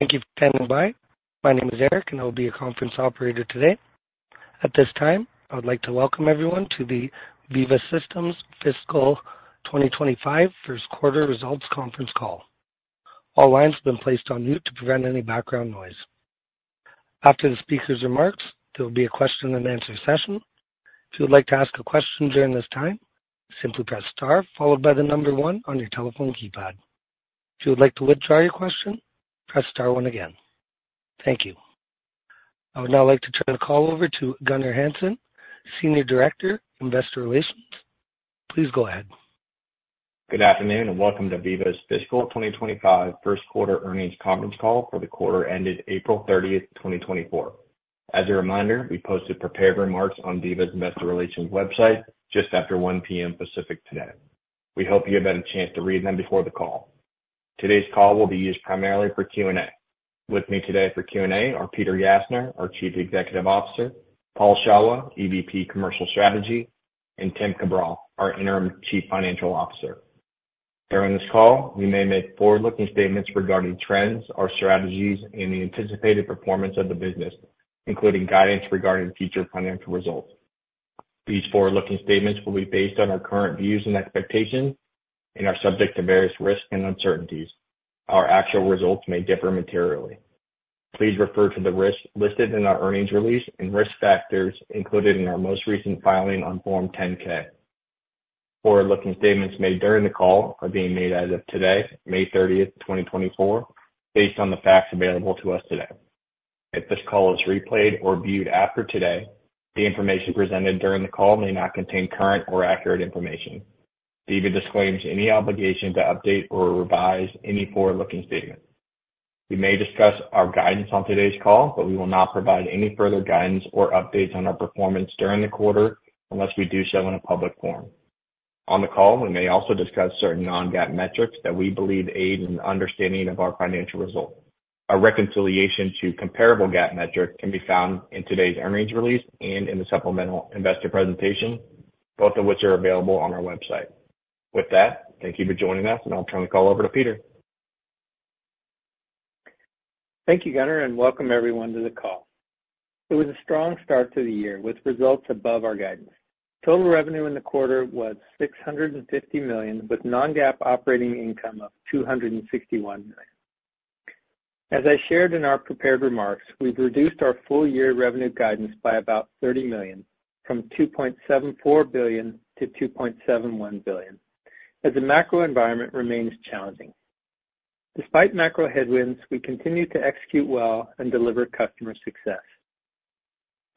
Thank you for standing by. My name is Eric, and I'll be your conference operator today. At this time, I would like to welcome everyone to the Veeva Systems Fiscal 2025 First Quarter Results Conference Call. All lines have been placed on mute to prevent any background noise. After the speaker's remarks, there will be a question and answer session. If you would like to ask a question during this time, simply press star followed by the number one on your telephone keypad. If you would like to withdraw your question, press star one again. Thank you. I would now like to turn the call over to Gunnar Hansen, Senior Director, Investor Relations. Please go ahead. Good afternoon, and welcome to Veeva's fiscal 2025 first quarter earnings conference call for the quarter ended April 30, 2024. As a reminder, we posted prepared remarks on Veeva's investor relations website just after 1:00 P.M. Pacific today. We hope you have had a chance to read them before the call. Today's call will be used primarily for Q&A. With me today for Q&A are Peter Gassner, our Chief Executive Officer, Paul Shawah, EVP Commercial Strategy, and Tim Cabral, our Interim Chief Financial Officer. During this call, we may make forward-looking statements regarding trends, our strategies, and the anticipated performance of the business, including guidance regarding future financial results. These forward-looking statements will be based on our current views and expectations and are subject to various risks and uncertainties. Our actual results may differ materially. Please refer to the risks listed in our earnings release and risk factors included in our most recent filing on Form 10-K. Forward-looking statements made during the call are being made as of today, May 30, 2024, based on the facts available to us today. If this call is replayed or viewed after today, the information presented during the call may not contain current or accurate information. Veeva disclaims any obligation to update or revise any forward-looking statement. We may discuss our guidance on today's call, but we will not provide any further guidance or updates on our performance during the quarter unless we do so in a public forum. On the call, we may also discuss certain non-GAAP metrics that we believe aid in understanding of our financial results. A reconciliation to comparable GAAP metrics can be found in today's earnings release and in the supplemental investor presentation, both of which are available on our website. With that, thank you for joining us, and I'll turn the call over to Peter. Thank you, Gunnar, and welcome everyone to the call. It was a strong start to the year, with results above our guidance. Total revenue in the quarter was $650 million, with non-GAAP operating income of $261 million. As I shared in our prepared remarks, we've reduced our full-year revenue guidance by about $30 million, from $2.74 billion-$2.71 billion, as the macro environment remains challenging. Despite macro headwinds, we continue to execute well and deliver customer success.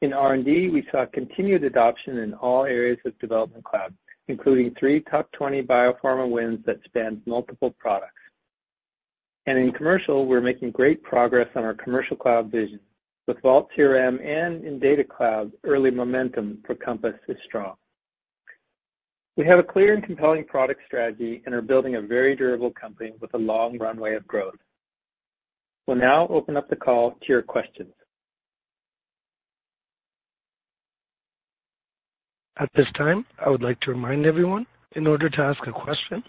In R&D, we saw continued adoption in all areas of Development Cloud, including three Top 20 biopharma wins that spanned multiple products. In commercial, we're making great progress on our Commercial Cloud vision with Vault CRM and in Data Cloud, early momentum for Compass is strong. We have a clear and compelling product strategy and are building a very durable company with a long runway of growth. We'll now open up the call to your questions. At this time, I would like to remind everyone, in order to ask a question,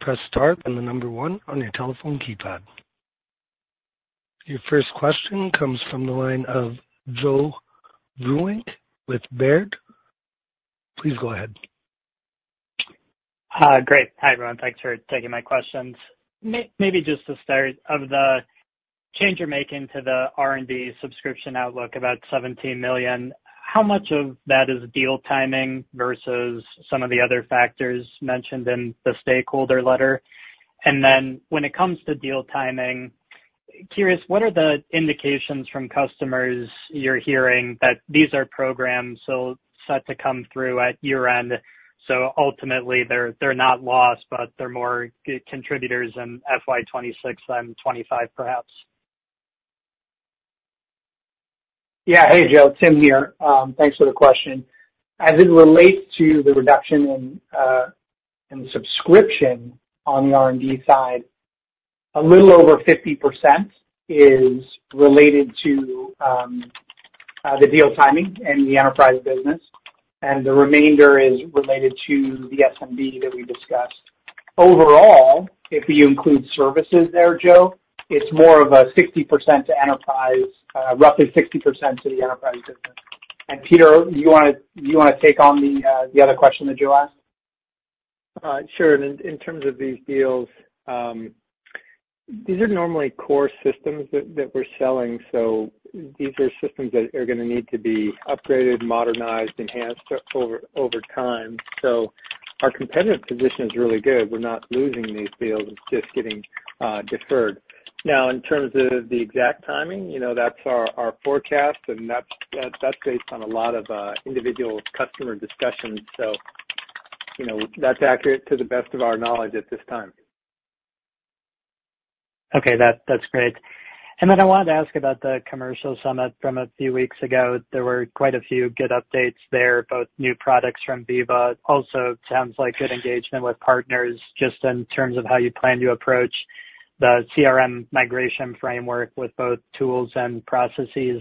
press star, then the number one on your telephone keypad. Your first question comes from the line of Joe Vruwink with Baird. Please go ahead. Great. Hi, everyone. Thanks for taking my questions. Maybe just to start, of the change you're making to the R&D subscription outlook, about $17 million, how much of that is deal timing versus some of the other factors mentioned in the stakeholder letter? And then when it comes to deal timing, curious, what are the indications from customers you're hearing that these are programs set to come through at year-end, so ultimately they're not lost, but they're more greater contributors in FY 2026 than 2025, perhaps? Yeah. Hey, Joe, Tim here. Thanks for the question. As it relates to the reduction in in subscription on the R&D side, a little over 50% is related to the deal timing and the enterprise business, and the remainder is related to the SMB that we discussed. Overall, if you include services there, Joe, it's more of a 60% to enterprise, roughly 60% to the enterprise business. And Peter, you want to take on the other question that Joe asked? Sure. In terms of these deals, these are normally core systems that we're selling, so these are systems that are gonna need to be upgraded, modernized, enhanced over time. So our competitive position is really good. We're not losing these deals, it's just getting deferred. Now, in terms of the exact timing, you know, that's our forecast, and that's based on a lot of individual customer discussions. So, you know, that's accurate to the best of our knowledge at this time. Okay. That's great. And then I wanted to ask about the commercial summit from a few weeks ago. There were quite a few good updates there, both new products from Veeva. Also, it sounds like good engagement with partners, just in terms of how you plan to approach the CRM migration framework with both tools and processes.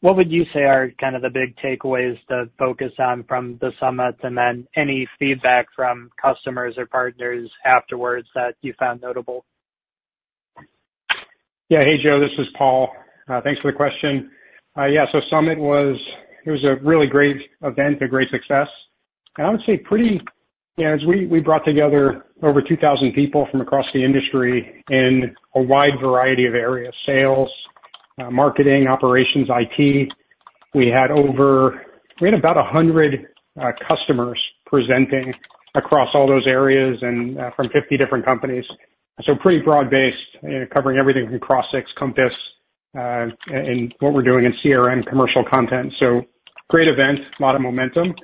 What would you say are kind of the big takeaways to focus on from the summit, and then any feedback from customers or partners afterwards that you found notable? Yeah. Hey, Joe, this is Paul. Thanks for the question. Yeah, so summit was. It was a really great event, a great success. And I would say pretty, yeah, as we brought together over 2,000 people from across the industry in a wide variety of areas: sales, marketing, operations, IT. We had over. We had about 100 customers presenting across all those areas and, from 50 different companies. So pretty broad-based, covering everything from Crossix, Compass, and what we're doing in CRM, commercial content. So great event, a lot of momentum.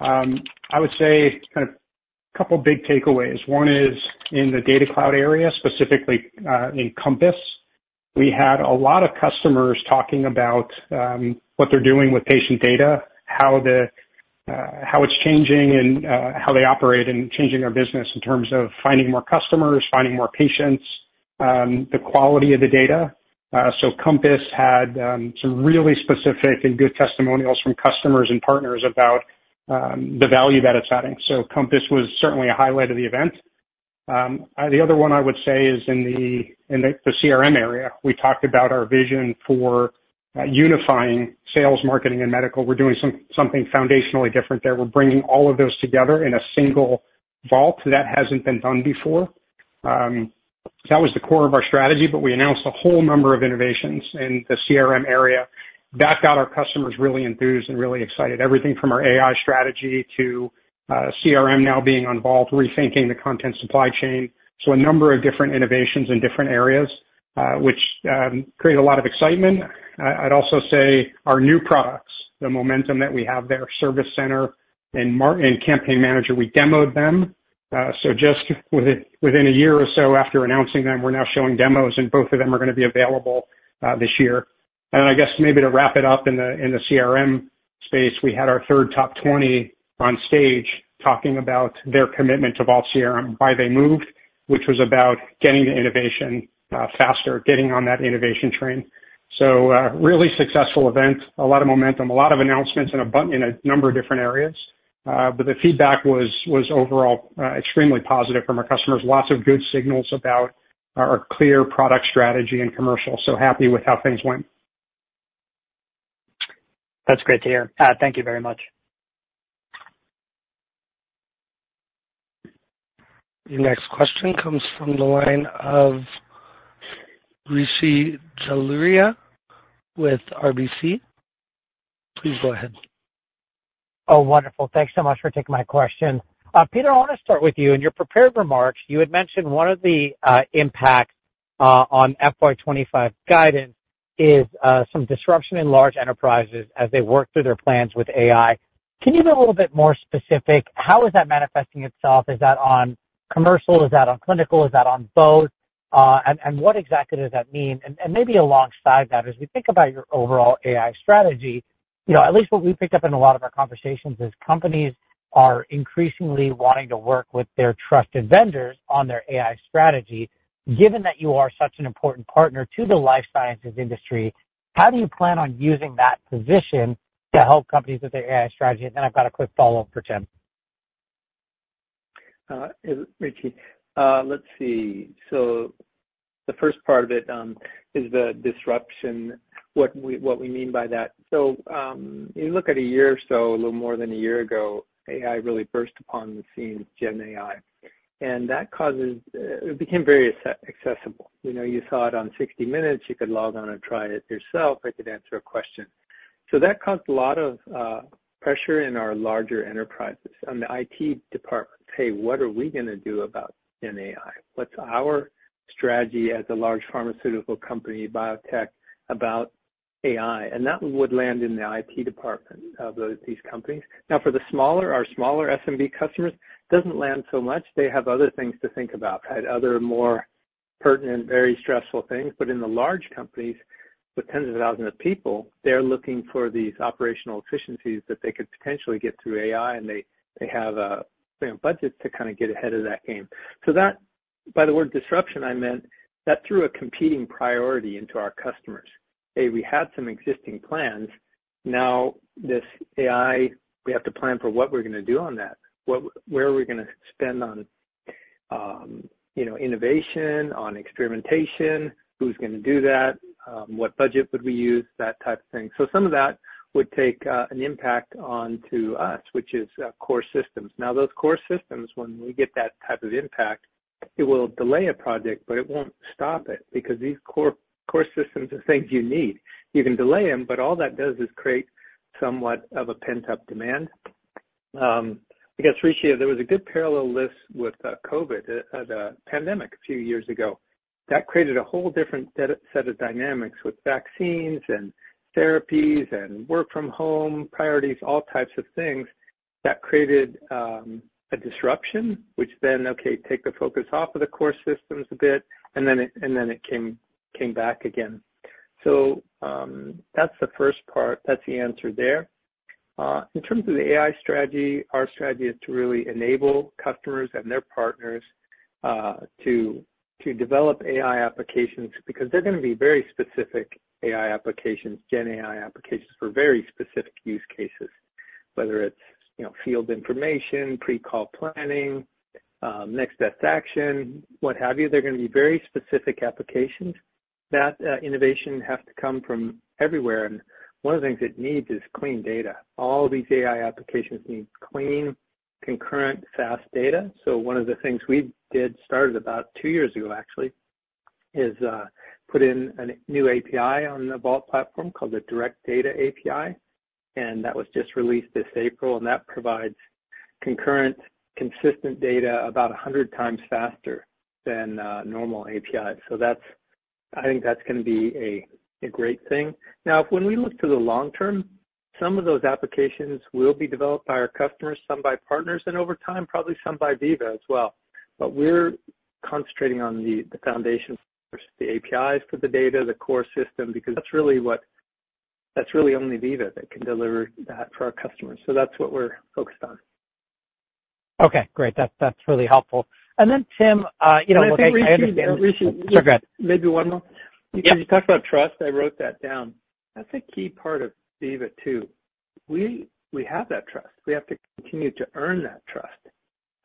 I would say kind of couple big takeaways. One is in the Data Cloud area, specifically, in Compass. We had a lot of customers talking about what they're doing with patient data, how it's changing, and how they operate and changing our business in terms of finding more customers, finding more patients, the quality of the data. So Compass had some really specific and good testimonials from customers and partners about the value that it's adding. So Compass was certainly a highlight of the event. The other one I would say is in the CRM area. We talked about our vision for unifying sales, marketing, and medical. We're doing something foundationally different there. We're bringing all of those together in a single Vault. That hasn't been done before. That was the core of our strategy, but we announced a whole number of innovations in the CRM area. That got our customers really enthused and really excited. Everything from our AI strategy to CRM now being on Vault, rethinking the content supply chain. So a number of different innovations in different areas, which create a lot of excitement. I'd also say our new products, the momentum that we have there, Service Center and Campaign Manager, we demoed them. So just within a year or so after announcing them, we're now showing demos, and both of them are gonna be available this year. I guess maybe to wrap it up in the CRM space, we had our third top 20 on stage talking about their commitment to Vault CRM, why they moved, which was about getting to innovation faster, getting on that innovation train. So, really successful event, a lot of momentum, a lot of announcements in a number of different areas. But the feedback was overall extremely positive from our customers. Lots of good signals about our clear product strategy and commercial. So happy with how things went. That's great to hear. Thank you very much. Your next question comes from the line of Rishi Jaluria with RBC. Please go ahead. Oh, wonderful. Thanks so much for taking my question. Peter, I wanna start with you. In your prepared remarks, you had mentioned one of the impacts on FY 2025 guidance is some disruption in large enterprises as they work through their plans with AI. Can you be a little bit more specific? How is that manifesting itself? Is that on commercial? Is that on clinical? Is that on both? And what exactly does that mean? And maybe alongside that, as we think about your overall AI strategy, you know, at least what we picked up in a lot of our conversations is companies are increasingly wanting to work with their trusted vendors on their AI strategy. Given that you are such an important partner to the life sciences industry, how do you plan on using that position to help companies with their AI strategy? And then I've got a quick follow-up for Tim. Rishi, let's see. So the first part of it is the disruption, what we mean by that. So, you look at a year or so, a little more than a year ago, AI really burst upon the scene, GenAI, and that causes. It became very accessible. You know, you saw it on 60 Minutes, you could log on and try it yourself. It could answer a question. So that caused a lot of pressure in our larger enterprises, on the IT departments. "Hey, what are we gonna do about GenAI? What's our strategy as a large pharmaceutical company, biotech, about AI?" And that would land in the IT department of those, these companies. Now, for our smaller SMB customers, doesn't land so much. They have other things to think about, right? Other more pertinent, very stressful things. But in the large companies, with tens of thousands of people, they're looking for these operational efficiencies that they could potentially get through AI, and they have, you know, budgets to kind of get ahead of that game. So that, by the word disruption, I meant that threw a competing priority into our customers. We had some existing plans. Now, this AI, we have to plan for what we're gonna do on that. What, where are we gonna spend on, you know, innovation, on experimentation? Who's gonna do that? What budget would we use? That type of thing. So some of that would take an impact onto us, which is core systems. Now, those core systems, when we get that type of impact, it will delay a project, but it won't stop it, because these core systems are things you need. You can delay them, but all that does is create somewhat of a pent-up demand. I guess, Rishi, there was a good parallel list with COVID, the pandemic a few years ago. That created a whole different set of dynamics with vaccines and therapies and work from home priorities, all types of things that created a disruption, which then take the focus off of the core systems a bit, and then it came back again. So, that's the first part. That's the answer there. In terms of the AI strategy, our strategy is to really enable customers and their partners to develop AI applications, because they're gonna be very specific AI applications, GenAI applications for very specific use cases, whether it's, you know, field information, pre-call planning, next best action, what have you. They're gonna be very specific applications. That innovation has to come from everywhere, and one of the things it needs is clean data. All these AI applications need clean, concurrent, fast data. So one of the things we did, started about 2 years ago, actually, is put in a new API on the Vault platform called the Direct Data API, and that was just released this April, and that provides concurrent, consistent data about 100 times faster than normal APIs. So I think that's gonna be a great thing. Now, when we look to the long term, some of those applications will be developed by our customers, some by partners, and over time, probably some by Veeva as well. But we're concentrating on the foundation, the APIs for the data, the core system, because that's really what-- That's really only Veeva that can deliver that for our customers. So that's what we're focused on. Okay, great. That's really helpful. And then, Tim, you know, I understand- Rishi, Rishi. Go ahead. Maybe one more? Yeah. You talked about trust. I wrote that down. That's a key part of Veeva, too. We have that trust. We have to continue to earn that trust.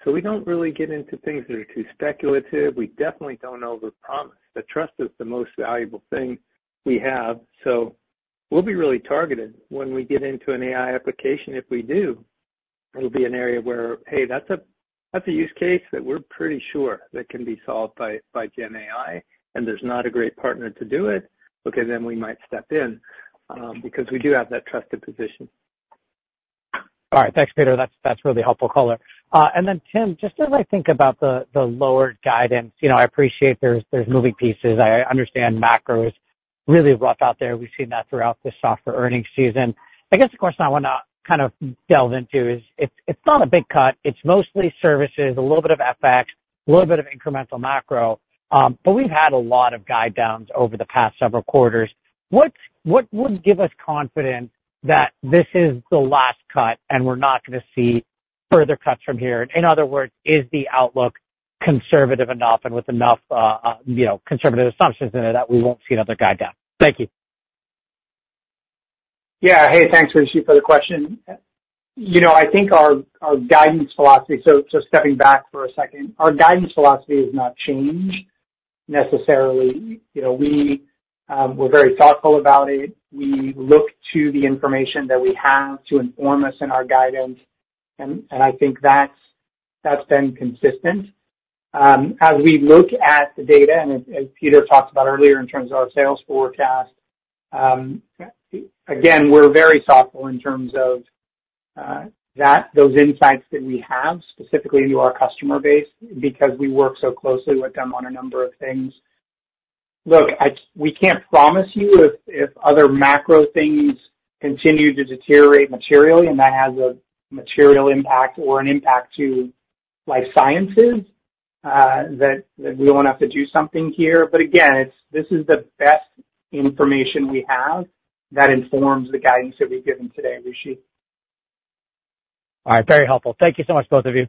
So we don't really get into things that are too speculative. We definitely don't overpromise, but trust is the most valuable thing we have, so we'll be really targeted when we get into an AI application if we do. It'll be an area where, hey, that's a use case that we're pretty sure that can be solved by, by GenAI, and there's not a great partner to do it, okay, then we might step in, because we do have that trusted position. All right. Thanks, Peter. That's a really helpful color. And then, Tim, just as I think about the lower guidance, you know, I appreciate there's moving pieces. I understand macro is really rough out there. We've seen that throughout the softer earnings season. I guess, of course, now I wanna kind of delve into. It's not a big cut, it's mostly services, a little bit of FX, a little bit of incremental macro, but we've had a lot of guide downs over the past several quarters. What would give us confidence that this is the last cut and we're not gonna see further cuts from here? In other words, is the outlook conservative enough and with enough, you know, conservative assumptions in it that we won't see another guide down? Thank you. Yeah. Hey, thanks, Rishi, for the question. You know, I think our guidance philosophy. So, stepping back for a second, our guidance philosophy has not changed necessarily. You know, we're very thoughtful about it. We look to the information that we have to inform us in our guidance, and I think that's been consistent. As we look at the data, and as Peter talked about earlier in terms of our sales forecast, again, we're very thoughtful in terms of those insights that we have specifically into our customer base, because we work so closely with them on a number of things. Look, we can't promise you if other macro things continue to deteriorate materially, and that has a material impact or an impact to life sciences, that we won't have to do something here. But again, this is the best information we have that informs the guidance that we've given today, Rishi. All right. Very helpful. Thank you so much, both of you.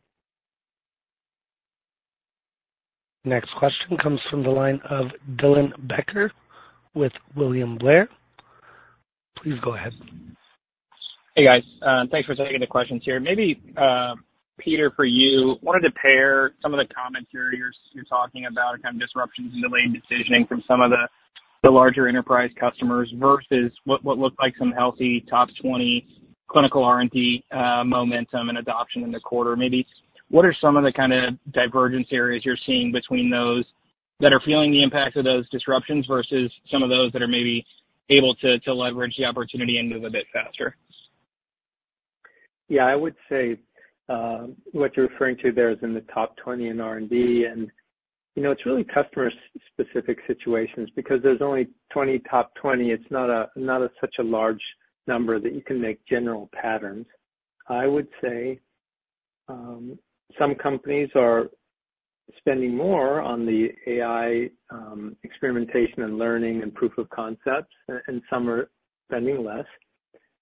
Next question comes from the line of Dylan Becker with William Blair. Please go ahead. Hey, guys. Thanks for taking the questions here. Maybe, Peter, for you, wanted to pair some of the comments here you're talking about kind of disruptions in delayed decisioning from some of the larger enterprise customers versus what looked like some healthy top 20 clinical R&D momentum and adoption in the quarter. Maybe what are some of the kind of divergence areas you're seeing between those that are feeling the impacts of those disruptions versus some of those that are maybe able to leverage the opportunity and move a bit faster? Yeah, I would say what you're referring to there is in the top 20 in R&D, and, you know, it's really customer-specific situations. Because there's only 20 top 20, it's not a such a large number that you can make general patterns. I would say some companies are spending more on the AI experimentation and learning and proof of concepts, and some are spending less.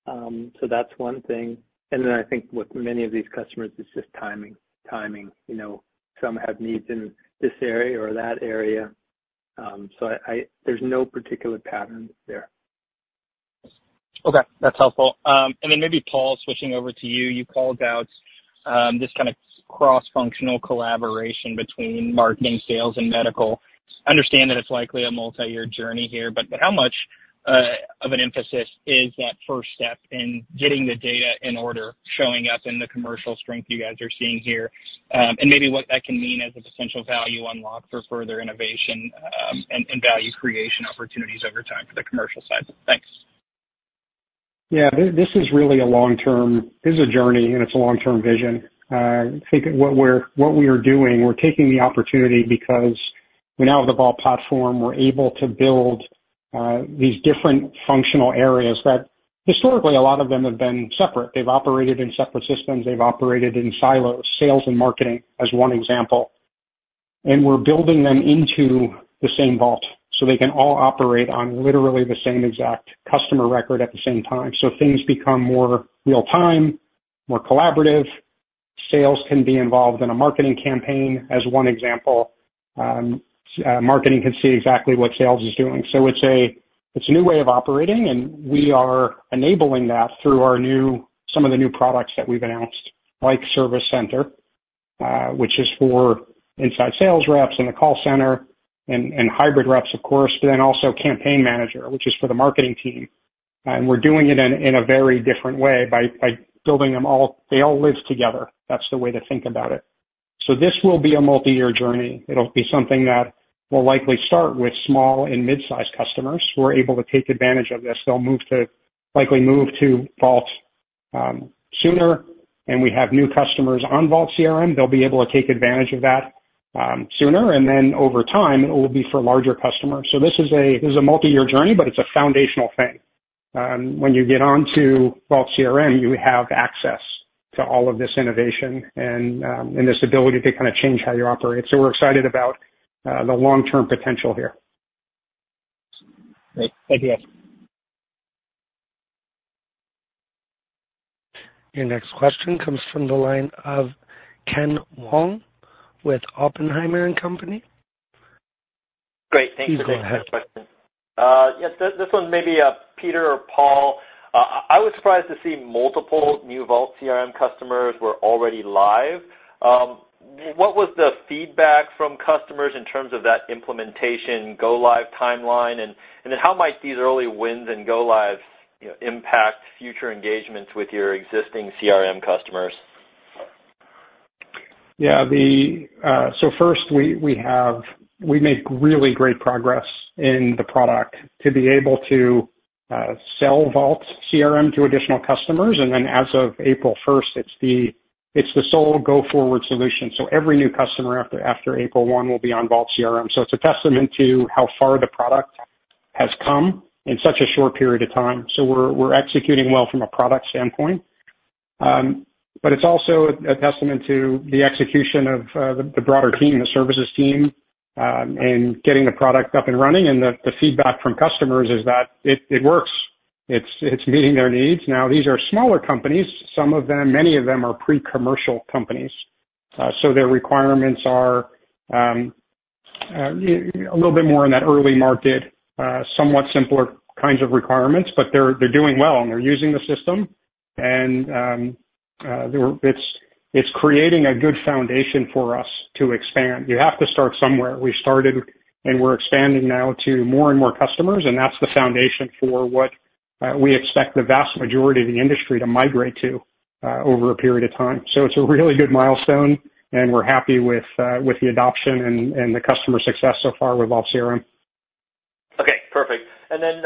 So that's one thing. And then I think with many of these customers, it's just timing. You know, some have needs in this area or that area. So there's no particular pattern there. Okay, that's helpful. And then maybe Paul, switching over to you. You called out this kind of cross-functional collaboration between marketing, sales, and medical. Understand that it's likely a multi-year journey here, but how much of an emphasis is that first step in getting the data in order, showing up in the commercial strength you guys are seeing here? And maybe what that can mean as a potential value unlock for further innovation, and value creation opportunities over time for the commercial side. Thanks. Yeah, this is really a long-term. This is a journey, and it's a long-term vision. I think what we are doing, we're taking the opportunity because when out of the Vault platform, we're able to build these different functional areas that historically, a lot of them have been separate. They've operated in separate systems. They've operated in silos, sales and marketing as one example. and we're building them into the same Vault, so they can all operate on literally the same exact customer record at the same time. So things become more real time, more collaborative. Sales can be involved in a marketing campaign, as one example. Marketing can see exactly what sales is doing. So it's a, it's a new way of operating, and we are enabling that through our new, some of the new products that we've announced, like Service Center, which is for inside sales reps in the call center and hybrid reps, of course, but then also Campaign Manager, which is for the marketing team. And we're doing it in a very different way by building them all. They all live together. That's the way to think about it. So this will be a multi-year journey. It'll be something that will likely start with small and mid-sized customers who are able to take advantage of this. They'll likely move to Vault sooner, and we have new customers on Vault CRM. They'll be able to take advantage of that sooner, and then over time, it will be for larger customers. So this is a multi-year journey, but it's a foundational thing. When you get onto Vault CRM, you have access to all of this innovation and this ability to kind of change how you operate. So we're excited about the long-term potential here. Great. Thank you. Your next question comes from the line of Ken Wong with Oppenheimer & Co. Great. Thanks for taking my question. Please go ahead. Yes, this one may be Peter or Paul. I was surprised to see multiple new Vault CRM customers were already live. What was the feedback from customers in terms of that implementation go live timeline? And then how might these early wins and go lives, you know, impact future engagements with your existing CRM customers? Yeah, the-- so first, we make really great progress in the product to be able to sell Vault CRM to additional customers, and then as of April first, it's the sole go-forward solution. So every new customer after April one will be on Vault CRM. So it's a testament to how far the product has come in such a short period of time. So we're executing well from a product standpoint. But it's also a testament to the execution of the broader team, the services team in getting the product up and running, and the feedback from customers is that it works. It's meeting their needs. Now, these are smaller companies. Some of them, many of them, are pre-commercial companies. So their requirements are a little bit more in that early market, somewhat simpler kinds of requirements, but they're doing well, and they're using the system. It's creating a good foundation for us to expand. You have to start somewhere. We started, and we're expanding now to more and more customers, and that's the foundation for what we expect the vast majority of the industry to migrate to over a period of time. So it's a really good milestone, and we're happy with the adoption and the customer success so far with Vault CRM. Okay, perfect. And then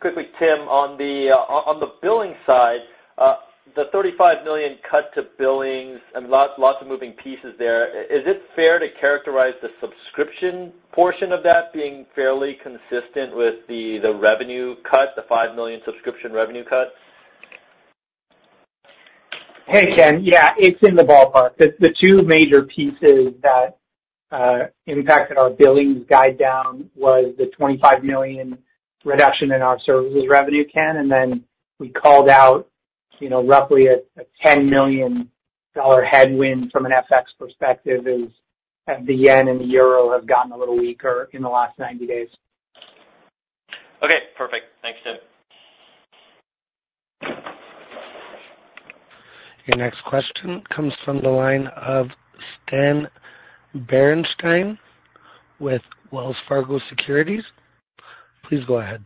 quickly, Tim, on the billing side, the $35 million cut to billings and lots, lots of moving pieces there, is it fair to characterize the subscription portion of that being fairly consistent with the revenue cut, the $5 million subscription revenue cut? Hey, Ken. Yeah, it's in the ballpark. The two major pieces that impacted our billings guide down was the $25 million reduction in our services revenue, Ken, and then we called out, you know, roughly a $10 million headwind from an FX perspective, as the JPY and the euro have gotten a little weaker in the last 90 days. Okay, perfect. Thanks, Tim. Your next question comes from the line of Stan Berenshteyn with Wells Fargo Securities. Please go ahead.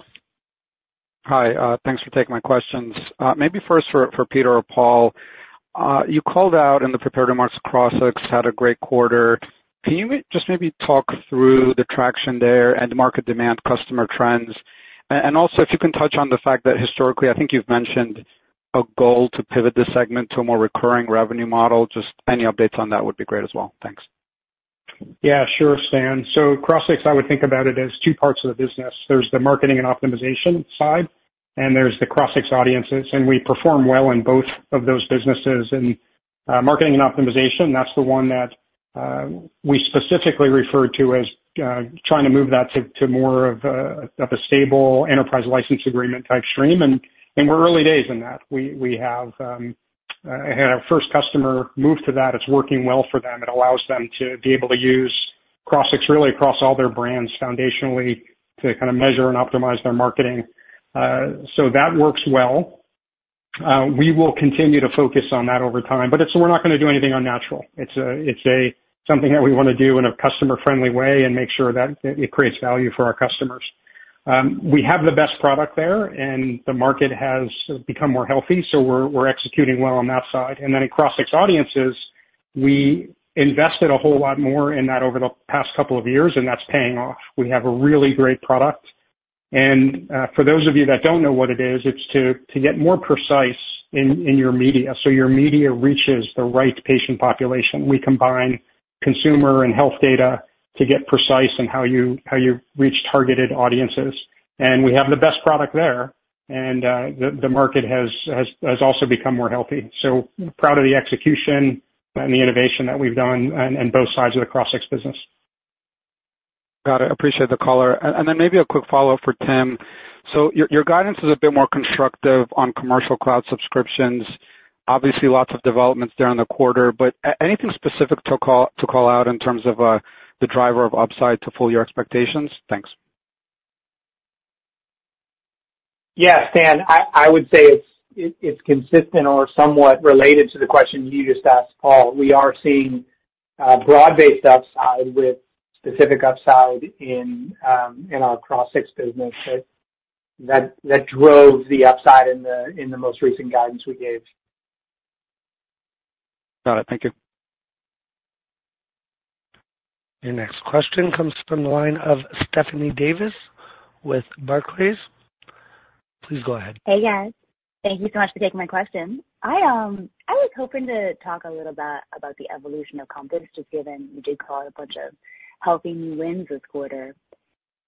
Hi, thanks for taking my questions. Maybe first for Peter or Paul, you called out in the prepared remarks, Crossix had a great quarter. Can you just maybe talk through the traction there and the market demand, customer trends? And also, if you can touch on the fact that historically, I think you've mentioned a goal to pivot this segment to a more recurring revenue model. Just any updates on that would be great as well. Thanks. Yeah, sure, Stan. So Crossix, I would think about it as two parts of the business. There's the marketing and optimization side, and there's the Crossix Audiences, and we perform well in both of those businesses. And, marketing and optimization, that's the one that, we specifically refer to as, trying to move that to more of a stable enterprise license agreement type stream, and, and we're early days in that. We, have, had our first customer move to that. It's working well for them. It allows them to be able to use Crossix really across all their brands foundationally to kind of measure and optimize their marketing. So that works well. We will continue to focus on that over time, but it's, we're not gonna do anything unnatural. It's a something that we wanna do in a customer-friendly way and make sure that it creates value for our customers. We have the best product there, and the market has become more healthy, so we're executing well on that side. And then in Crossix Audiences, we invested a whole lot more in that over the past couple of years, and that's paying off. We have a really great product, and for those of you that don't know what it's to get more precise in your media, so your media reaches the right patient population. We combine consumer and health data to get precise in how you reach targeted audiences. And we have the best product there, and the market has also become more healthy. So proud of the execution and the innovation that we've done on both sides of the Crossix business. Got it. Appreciate the color. And then maybe a quick follow-up for Tim. So your guidance is a bit more constructive on commercial cloud subscriptions. Obviously, lots of developments there in the quarter, but anything specific to call out in terms of the driver of upside to pull your expectations? Thanks. Yes, Dan, I would say it's consistent or somewhat related to the question you just asked, Paul. We are seeing broad-based upside with specific upside in our Crossix business that drove the upside in the most recent guidance we gave. Got it. Thank you. Your next question comes from the line of Stephanie Davis with Barclays. Please go ahead. Hey, guys. Thank you so much for taking my question. I was hoping to talk a little about the evolution of Compass, just given you did call out a bunch of helping new wins this quarter.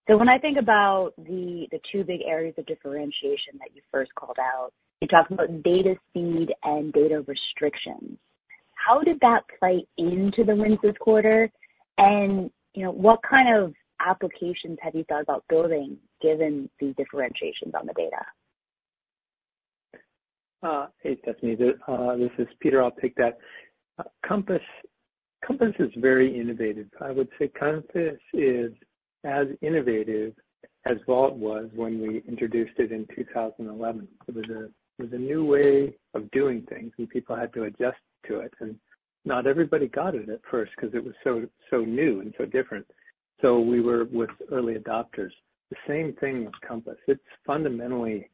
So when I think about the two big areas of differentiation that you first called out, you talked about data speed and data restrictions. How did that play into the wins this quarter? And, you know, what kind of applications have you thought about building given the differentiations on the data? Hey, Stephanie, this is Peter. I'll take that. Compass is very innovative. I would say Compass is as innovative as Vault was when we introduced it in 2011. It was a new way of doing things, and people had to adjust to it, and not everybody got it at first because it was so, so new and so different. So we were with early adopters. The same thing with Compass. It's fundamentally,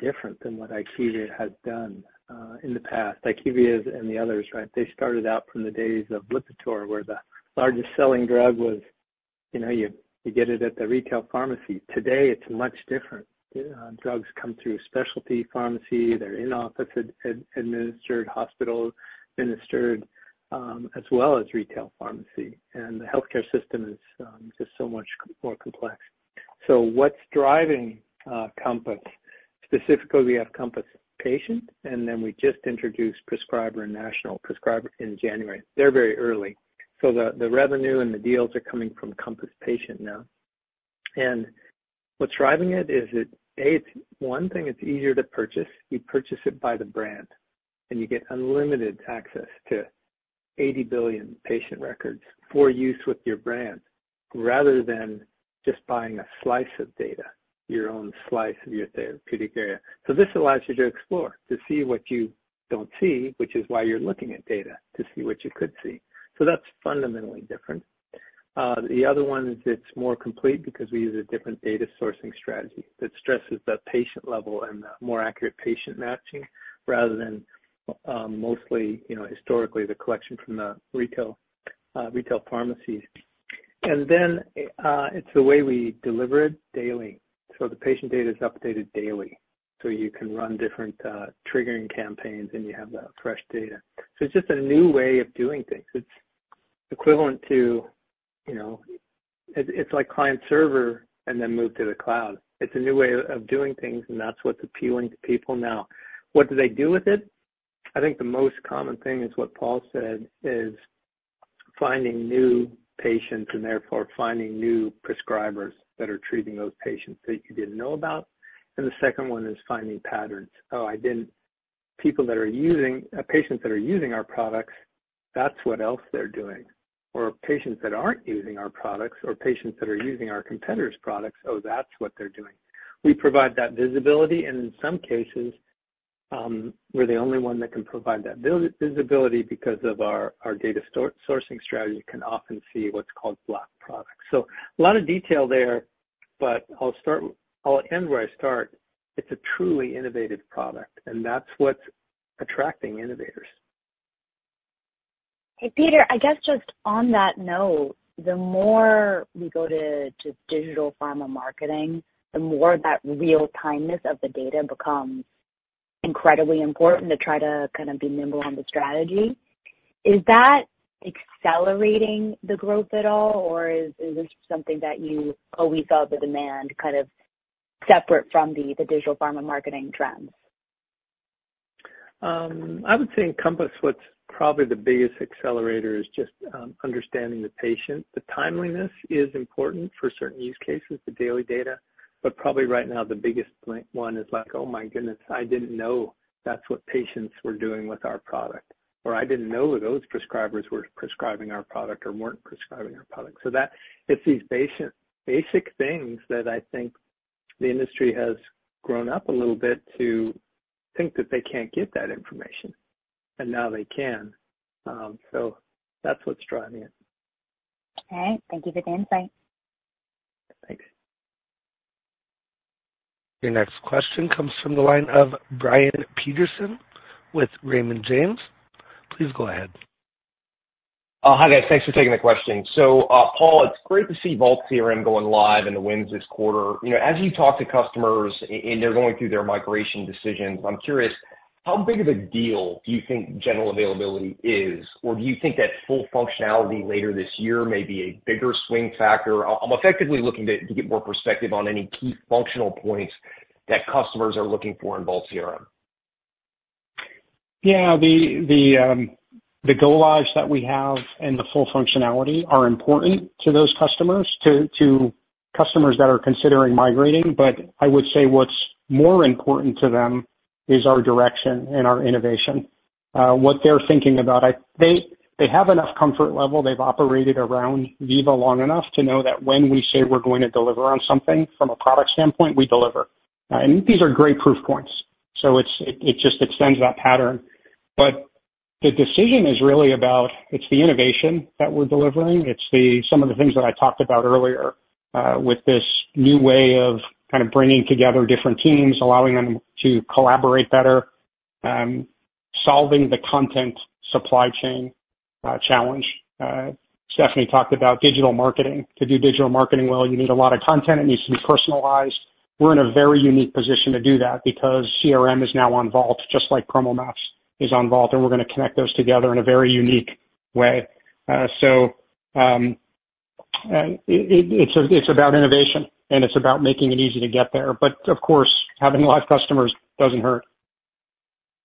different than what IQVIA has done in the past. IQVIA and the others, right? They started out from the days of Lipitor, where the largest-selling drug was, you know, you, you get it at the retail pharmacy. Today, it's much different. Drugs come through specialty pharmacy. They're in-office administered, hospital-administered, as well as retail pharmacy, and the healthcare system is just so much more complex. So what's driving Compass? Specifically, we have Compass Patient, and then we just introduced Prescriber and National Prescriber in January. They're very early. So the revenue and the deals are coming from Compass Patient now. And what's driving it is it. A, it's one thing: it's easier to purchase. You purchase it by the brand, and you get unlimited access to 80 billion patient records for use with your brand, rather than just buying a slice of data, your own slice of your therapeutic area. So this allows you to explore, to see what you don't see, which is why you're looking at data, to see what you could see. So that's fundamentally different. The other one is it's more complete because we use a different data sourcing strategy that stresses the patient level and the more accurate patient matching, rather than, mostly, you know, historically, the collection from the retail, retail pharmacies. And then, it's the way we deliver it daily. So the patient data is updated daily, so you can run different, triggering campaigns, and you have the fresh data. So it's just a new way of doing things. It's equivalent to, you know. It, it's like client server and then move to the cloud. It's a new way of doing things, and that's what's appealing to people now. What do they do with it? I think the most common thing is what Paul said, is finding new patients and therefore finding new prescribers that are treating those patients that you didn't know about. The second one is finding patterns. People that are using, patients that are using our products, that's what else they're doing, or patients that aren't using our products, or patients that are using our competitor's products, oh, that's what they're doing. We provide that visibility, and in some cases, we're the only one that can provide that visibility because of our data sourcing strategy can often see what's called black products. So a lot of detail there, but I'll start, I'll end where I start. It's a truly innovative product, and that's what's attracting innovators. Hey, Peter, I guess just on that note, the more we go to digital pharma marketing, the more that real-timeness of the data becomes incredibly important to try to kind of be nimble on the strategy. Is that accelerating the growth at all, or is this something that you always saw the demand kind of separate from the digital pharma marketing trends? I would say in Compass, what's probably the biggest accelerator is just, understanding the patient. The timeliness is important for certain use cases, the daily data, but probably right now, the biggest one is like, oh, my goodness, I didn't know that's what patients were doing with our product, or I didn't know those prescribers were prescribing our product or weren't prescribing our product. So that it's these basic, basic things that I think the industry has grown up a little bit to think that they can't get that information, and now they can. So that's what's driving it. All right. Thank you for the insight. Thanks. Your next question comes from the line of Brian Peterson with Raymond James. Please go ahead. Hi, guys. Thanks for taking the question. So, Paul, it's great to see Vault CRM going live and the wins this quarter. You know, as you talk to customers and they're going through their migration decisions, I'm curious, how big of a deal do you think general availability is? Or do you think that full functionality later this year may be a bigger swing factor? I'm effectively looking to get more perspective on any key functional points that customers are looking for in Vault CRM. Yeah, the go-lives that we have and the full functionality are important to those customers, to customers that are considering migrating. But I would say what's more important to them is our direction and our innovation. What they're thinking about—they have enough comfort level. They've operated around Veeva long enough to know that when we say we're going to deliver on something from a product standpoint, we deliver. And these are great proof points, so it just extends that pattern. But the decision is really about, it's the innovation that we're delivering, it's the—some of the things that I talked about earlier, with this new way of kind of bringing together different teams, allowing them to collaborate better, solving the content supply chain challenge. Stephanie talked about digital marketing. To do digital marketing well, you need a lot of content. It needs to be personalized. We're in a very unique position to do that because CRM is now on Vault, just like PromoMats is on Vault, and we're gonna connect those together in a very unique way. So, it's about innovation, and it's about making it easy to get there. But of course, having live customers doesn't hurt.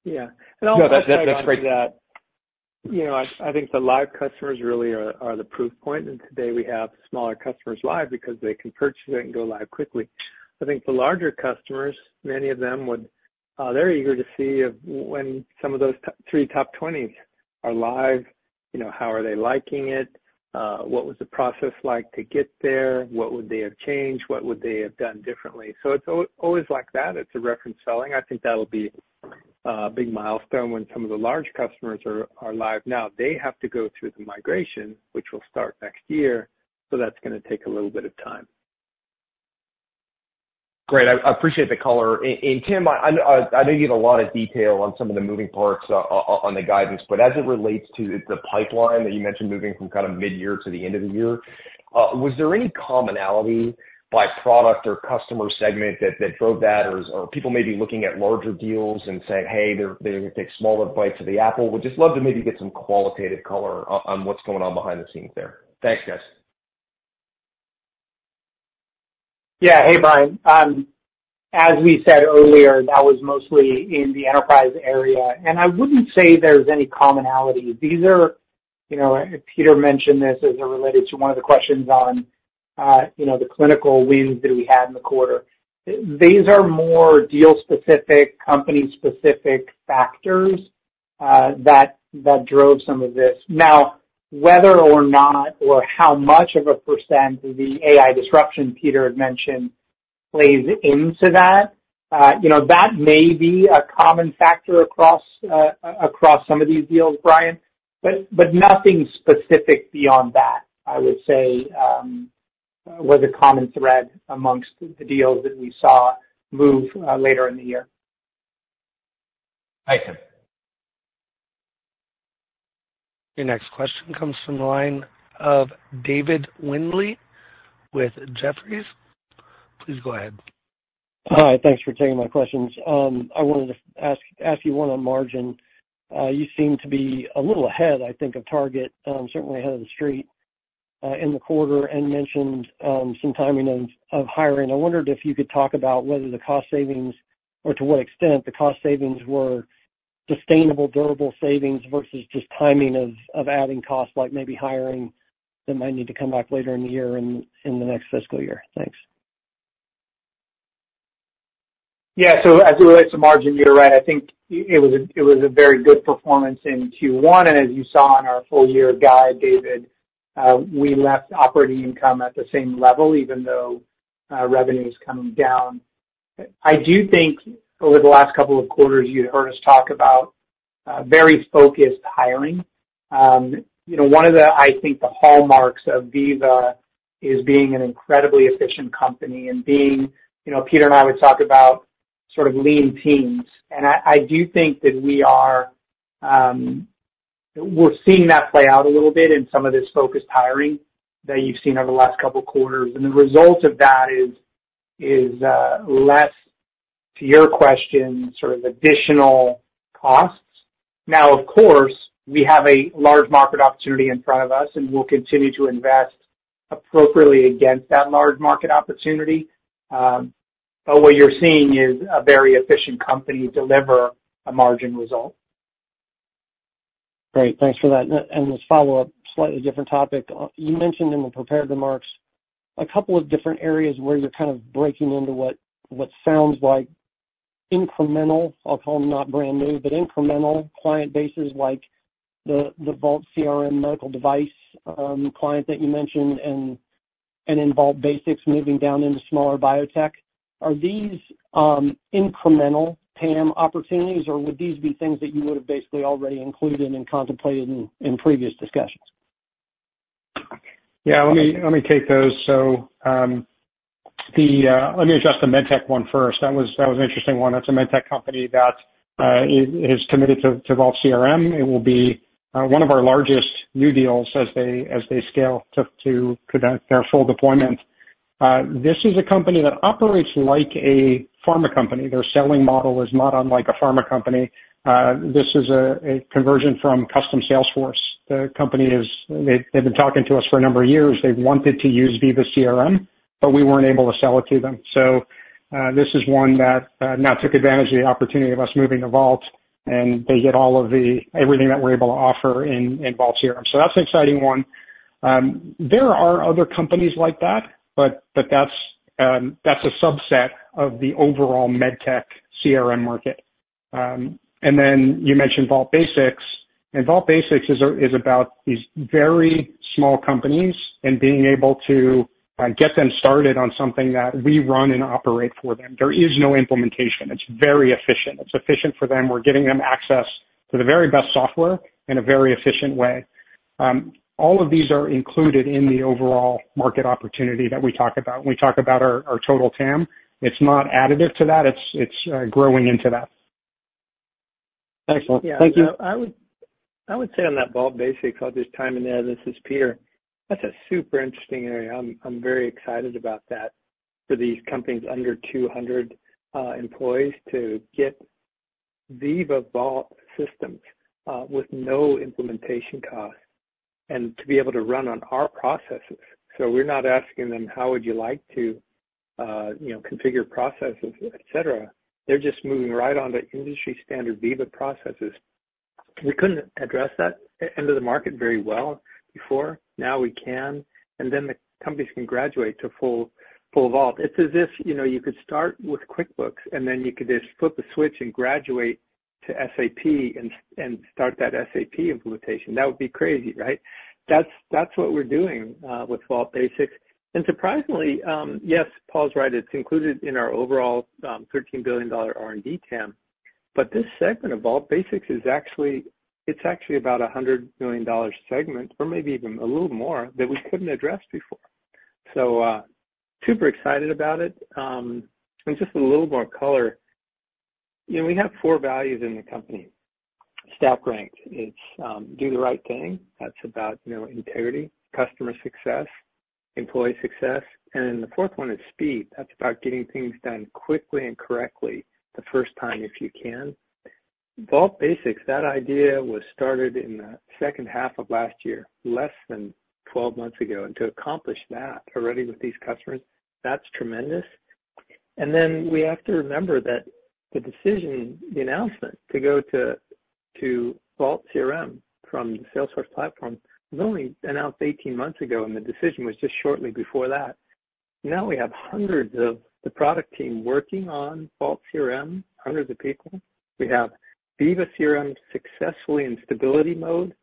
Yeah, and I'll- No, that's great. You know, I think the live customers really are the proof point, and today we have smaller customers live because they can purchase it and go live quickly. I think the larger customers, many of them would, they're eager to see if when some of those top 20s are live, you know, how are they liking it? What was the process like to get there? What would they have changed? What would they have done differently? So it's always like that. It's a reference selling. I think that'll be a big milestone when some of the large customers are live. Now, they have to go through the migration, which will start next year, so that's gonna take a little bit of time. Great. I appreciate the color. And Tim, I know you gave a lot of detail on some of the moving parts on the guidance, but as it relates to the pipeline that you mentioned, moving from kind of midyear to the end of the year, was there any commonality by product or customer segment that drove that? Or are people maybe looking at larger deals and saying, "Hey," they're gonna take smaller bites of the apple. Would just love to maybe get some qualitative color on what's going on behind the scenes there. Thanks, guys. Yeah. Hey, Brian. As we said earlier, that was mostly in the enterprise area, and I wouldn't say there's any commonality. These are, you know, Peter mentioned this as it related to one of the questions on, you know, the clinical wins that we had in the quarter. These are more deal-specific, company-specific factors, that drove some of this. Now, whether or not or how much of a percent of the AI disruption Peter had mentioned plays into that, you know, that may be a common factor across some of these deals, Brian, but nothing specific beyond that, I would say, was a common thread amongst the deals that we saw move, later in the year. Thank you. Your next question comes from the line of David Windley with Jefferies. Please go ahead. Hi, thanks for taking my questions. I wanted to ask you one on margin. You seem to be a little ahead, I think, of target, certainly ahead of the street, in the quarter, and mentioned some timing of hiring. I wondered if you could talk about whether the cost savings or to what extent the cost savings were sustainable, durable savings versus just timing of adding costs, like maybe hiring, that might need to come back later in the year and in the next fiscal year. Thanks. Yeah. So as it relates to margin, you're right. I think it was a very good performance in Q1, and as you saw in our full year guide, David, we left operating income at the same level, even though revenue is coming down. I do think over the last couple of quarters, you've heard us talk about very focused hiring. You know, one of the, I think, the hallmarks of Veeva is being an incredibly efficient company and being, you know, Peter and I would talk about sort of lean teams. And I do think that we are. We're seeing that play out a little bit in some of this focused hiring that you've seen over the last couple of quarters. And the result of that is less, to your question, sort of additional costs. Now, of course, we have a large market opportunity in front of us, and we'll continue to invest appropriately against that large market opportunity. But what you're seeing is a very efficient company deliver a margin result. Great, thanks for that. And just follow up, slightly different topic. You mentioned in the prepared remarks a couple of different areas where you're kind of breaking into what sounds like incremental, I'll call them, not brand new, but incremental client bases like the Vault CRM medical device client that you mentioned, and in Vault Basics moving down into smaller biotech. Are these incremental PAM opportunities, or would these be things that you would have basically already included and contemplated in previous discussions? Yeah, let me take those. So, let me address the MedTech one first. That was an interesting one. That's a MedTech company that is committed to Vault CRM. It will be one of our largest new deals as they scale to their full deployment. This is a company that operates like a pharma company. Their selling model is not unlike a pharma company. This is a conversion from custom Salesforce. The company is – they’ve been talking to us for a number of years. They’ve wanted to use Veeva CRM, but we weren’t able to sell it to them. So, this is one that now took advantage of the opportunity of us moving to Vault, and they get everything that we're able to offer in Vault CRM. So that's an exciting one. There are other companies like that, but that's a subset of the overall MedTech CRM market. And then you mentioned Vault Basics, and Vault Basics is about these very small companies and being able to get them started on something that we run and operate for them. There is no implementation. It's very efficient. It's efficient for them. We're giving them access to the very best software in a very efficient way. All of these are included in the overall market opportunity that we talk about. When we talk about our total TAM, it's not additive to that, it's growing into that. Excellent. Thank you. Yeah, I would, I would say on that Vault Basics, I'll just chime in there, this is Peter. That's a super interesting area. I'm very excited about that, for these companies under 200 employees to get Veeva Vault systems with no implementation costs, and to be able to run on our processes. So we're not asking them: How would you like to configure processes, et cetera? They're just moving right on to industry-standard Veeva processes. We couldn't address that end of the market very well before. Now we can, and then the companies can graduate to full Vault. It's as if, you know, you could start with QuickBooks, and then you could just flip a switch and graduate to SAP and start that SAP implementation. That would be crazy, right? That's what we're doing with Vault Basics. And surprisingly, yes, Paul's right, it's included in our overall $13 billion R&D TAM, but this segment of Vault Basics is actually about a $100 million segment, or maybe even a little more, that we couldn't address before. So, super excited about it. And just a little more color. You know, we have four values in the company. Stack ranked. It's do the right thing, that's about, you know, integrity, customer success, employee success, and the fourth one is speed. That's about getting things done quickly and correctly, the first time, if you can. Vault Basics, that idea was started in the second half of last year, less than 12 months ago, and to accomplish that already with these customers, that's tremendous. Then we have to remember that the decision, the announcement to go to Vault CRM from the Salesforce platform, was only announced 18 months ago, and the decision was just shortly before that. Now we have hundreds of the product team working on Vault CRM, hundreds of people. We have Veeva CRM successfully in stability mode,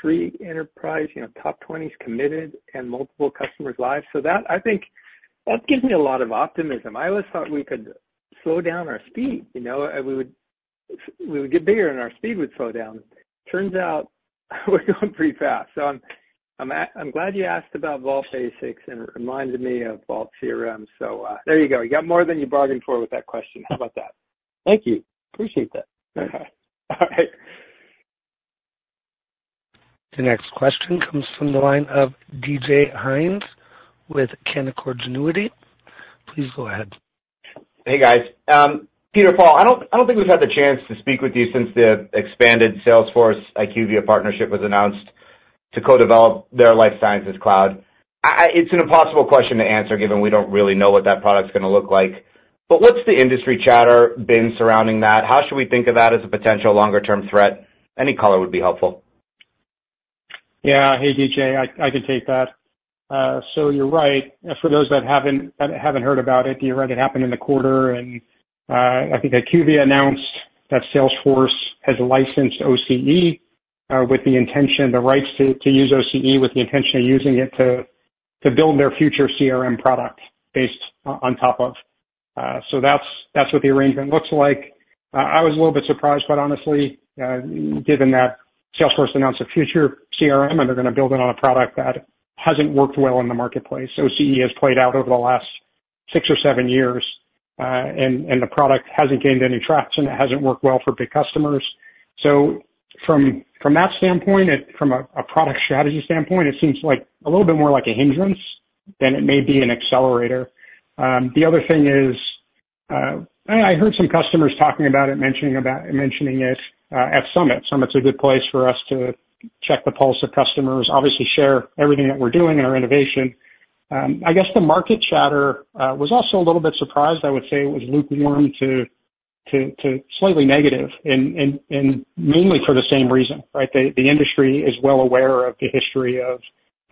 3 enterprise, you know, top 20s committed, and multiple customers live. So that, I think, that gives me a lot of optimism. I always thought we could slow down our speed, you know, and we would, we would get bigger and our speed would slow down. Turns out, we're going pretty fast. So I'm glad you asked about Vault Basics, and it reminded me of Vault CRM. So there you go. You got more than you bargained for with that question. How about that? Thank you. Appreciate that. All right. The next question comes from the line of D.J. Hynes with Canaccord Genuity. Please go ahead. Hey, guys. Peter, Paul, I don't think we've had the chance to speak with you since the expanded Salesforce IQVIA partnership was announced to co-develop their Life Sciences Cloud. It's an impossible question to answer, given we don't really know what that product's gonna look like, but what's the industry chatter been surrounding that? How should we think of that as a potential longer-term threat? Any color would be helpful. Yeah. Hey, D.J., I can take that. So you're right. For those that haven't heard about it, you're right, it happened in the quarter, and I think IQVIA announced that Salesforce has licensed OCE, with the rights to use OCE with the intention of using it to build their future CRM product based on top of. So that's what the arrangement looks like. I was a little bit surprised, but honestly, given that Salesforce announced a future CRM, and they're gonna build it on a product that hasn't worked well in the marketplace. OCE has played out over the last six or seven years, and the product hasn't gained any traction. It hasn't worked well for big customers. So from that standpoint, from a product strategy standpoint, it seems like a little bit more like a hindrance than it may be an accelerator. The other thing is, I heard some customers talking about it, mentioning it at Summit. Summit's a good place for us to check the pulse of customers, obviously share everything that we're doing in our innovation. I guess the market chatter was also a little bit surprised. I would say it was lukewarm to slightly negative and mainly for the same reason, right? The industry is well aware of the history of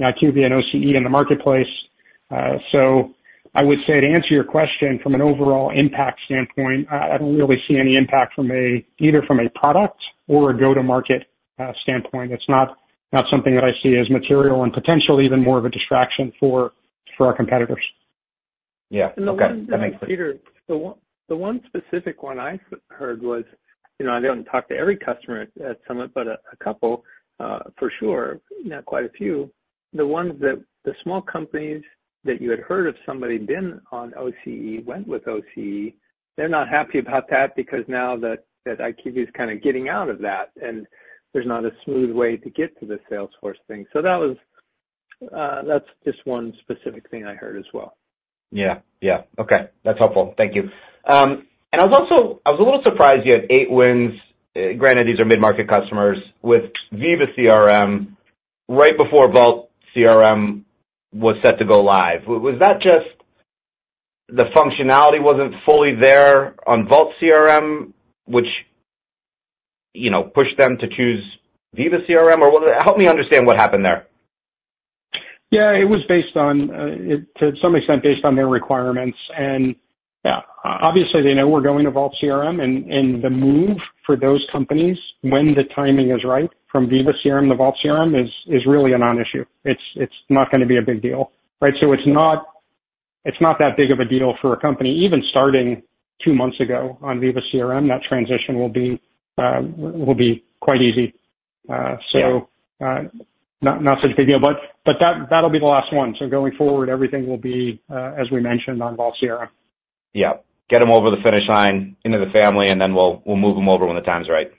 IQVIA and OCE in the marketplace. So I would say, to answer your question, from an overall impact standpoint, I don't really see any impact from a, either from a product or a go-to-market, standpoint. It's not something that I see as material and potentially even more of a distraction for our competitors. Yeah. Okay. That makes sense. Peter, the one, the one specific one I heard was I didn't talk to every customer at Summit, but a couple, for sure, you know, quite a few. The ones that the small companies that you had heard of somebody had been on OCE, went with OCE, they're not happy about that because now that IQVIA is kind of getting out of that, and there's not a smooth way to get to the Salesforce thing. So that was. That's just one specific thing I heard as well. Yeah. Yeah. Okay, that's helpful. Thank you. And I was a little surprised you had eight wins, granted, these are mid-market customers, with Veeva CRM right before Vault CRM was set to go live. Was that just the functionality wasn't fully there on Vault CRM, which, you know, pushed them to choose Veeva CRM, or what—Help me understand what happened there. Yeah, it was based on, to some extent, based on their requirements. And, yeah, obviously, they know we're going to Vault CRM, and the move for those companies when the timing is right from Veeva CRM to Vault CRM is really a non-issue. It's not gonna be a big deal, right? So it's not that big of a deal for a company. Even starting two months ago on Veeva CRM, that transition will be quite easy. So not such a big deal, but that'll be the last one. So going forward, everything will be, as we mentioned, on Vault CRM. Yeah. Get them over the finish line into the family, and then we'll, we'll move them over when the time's right.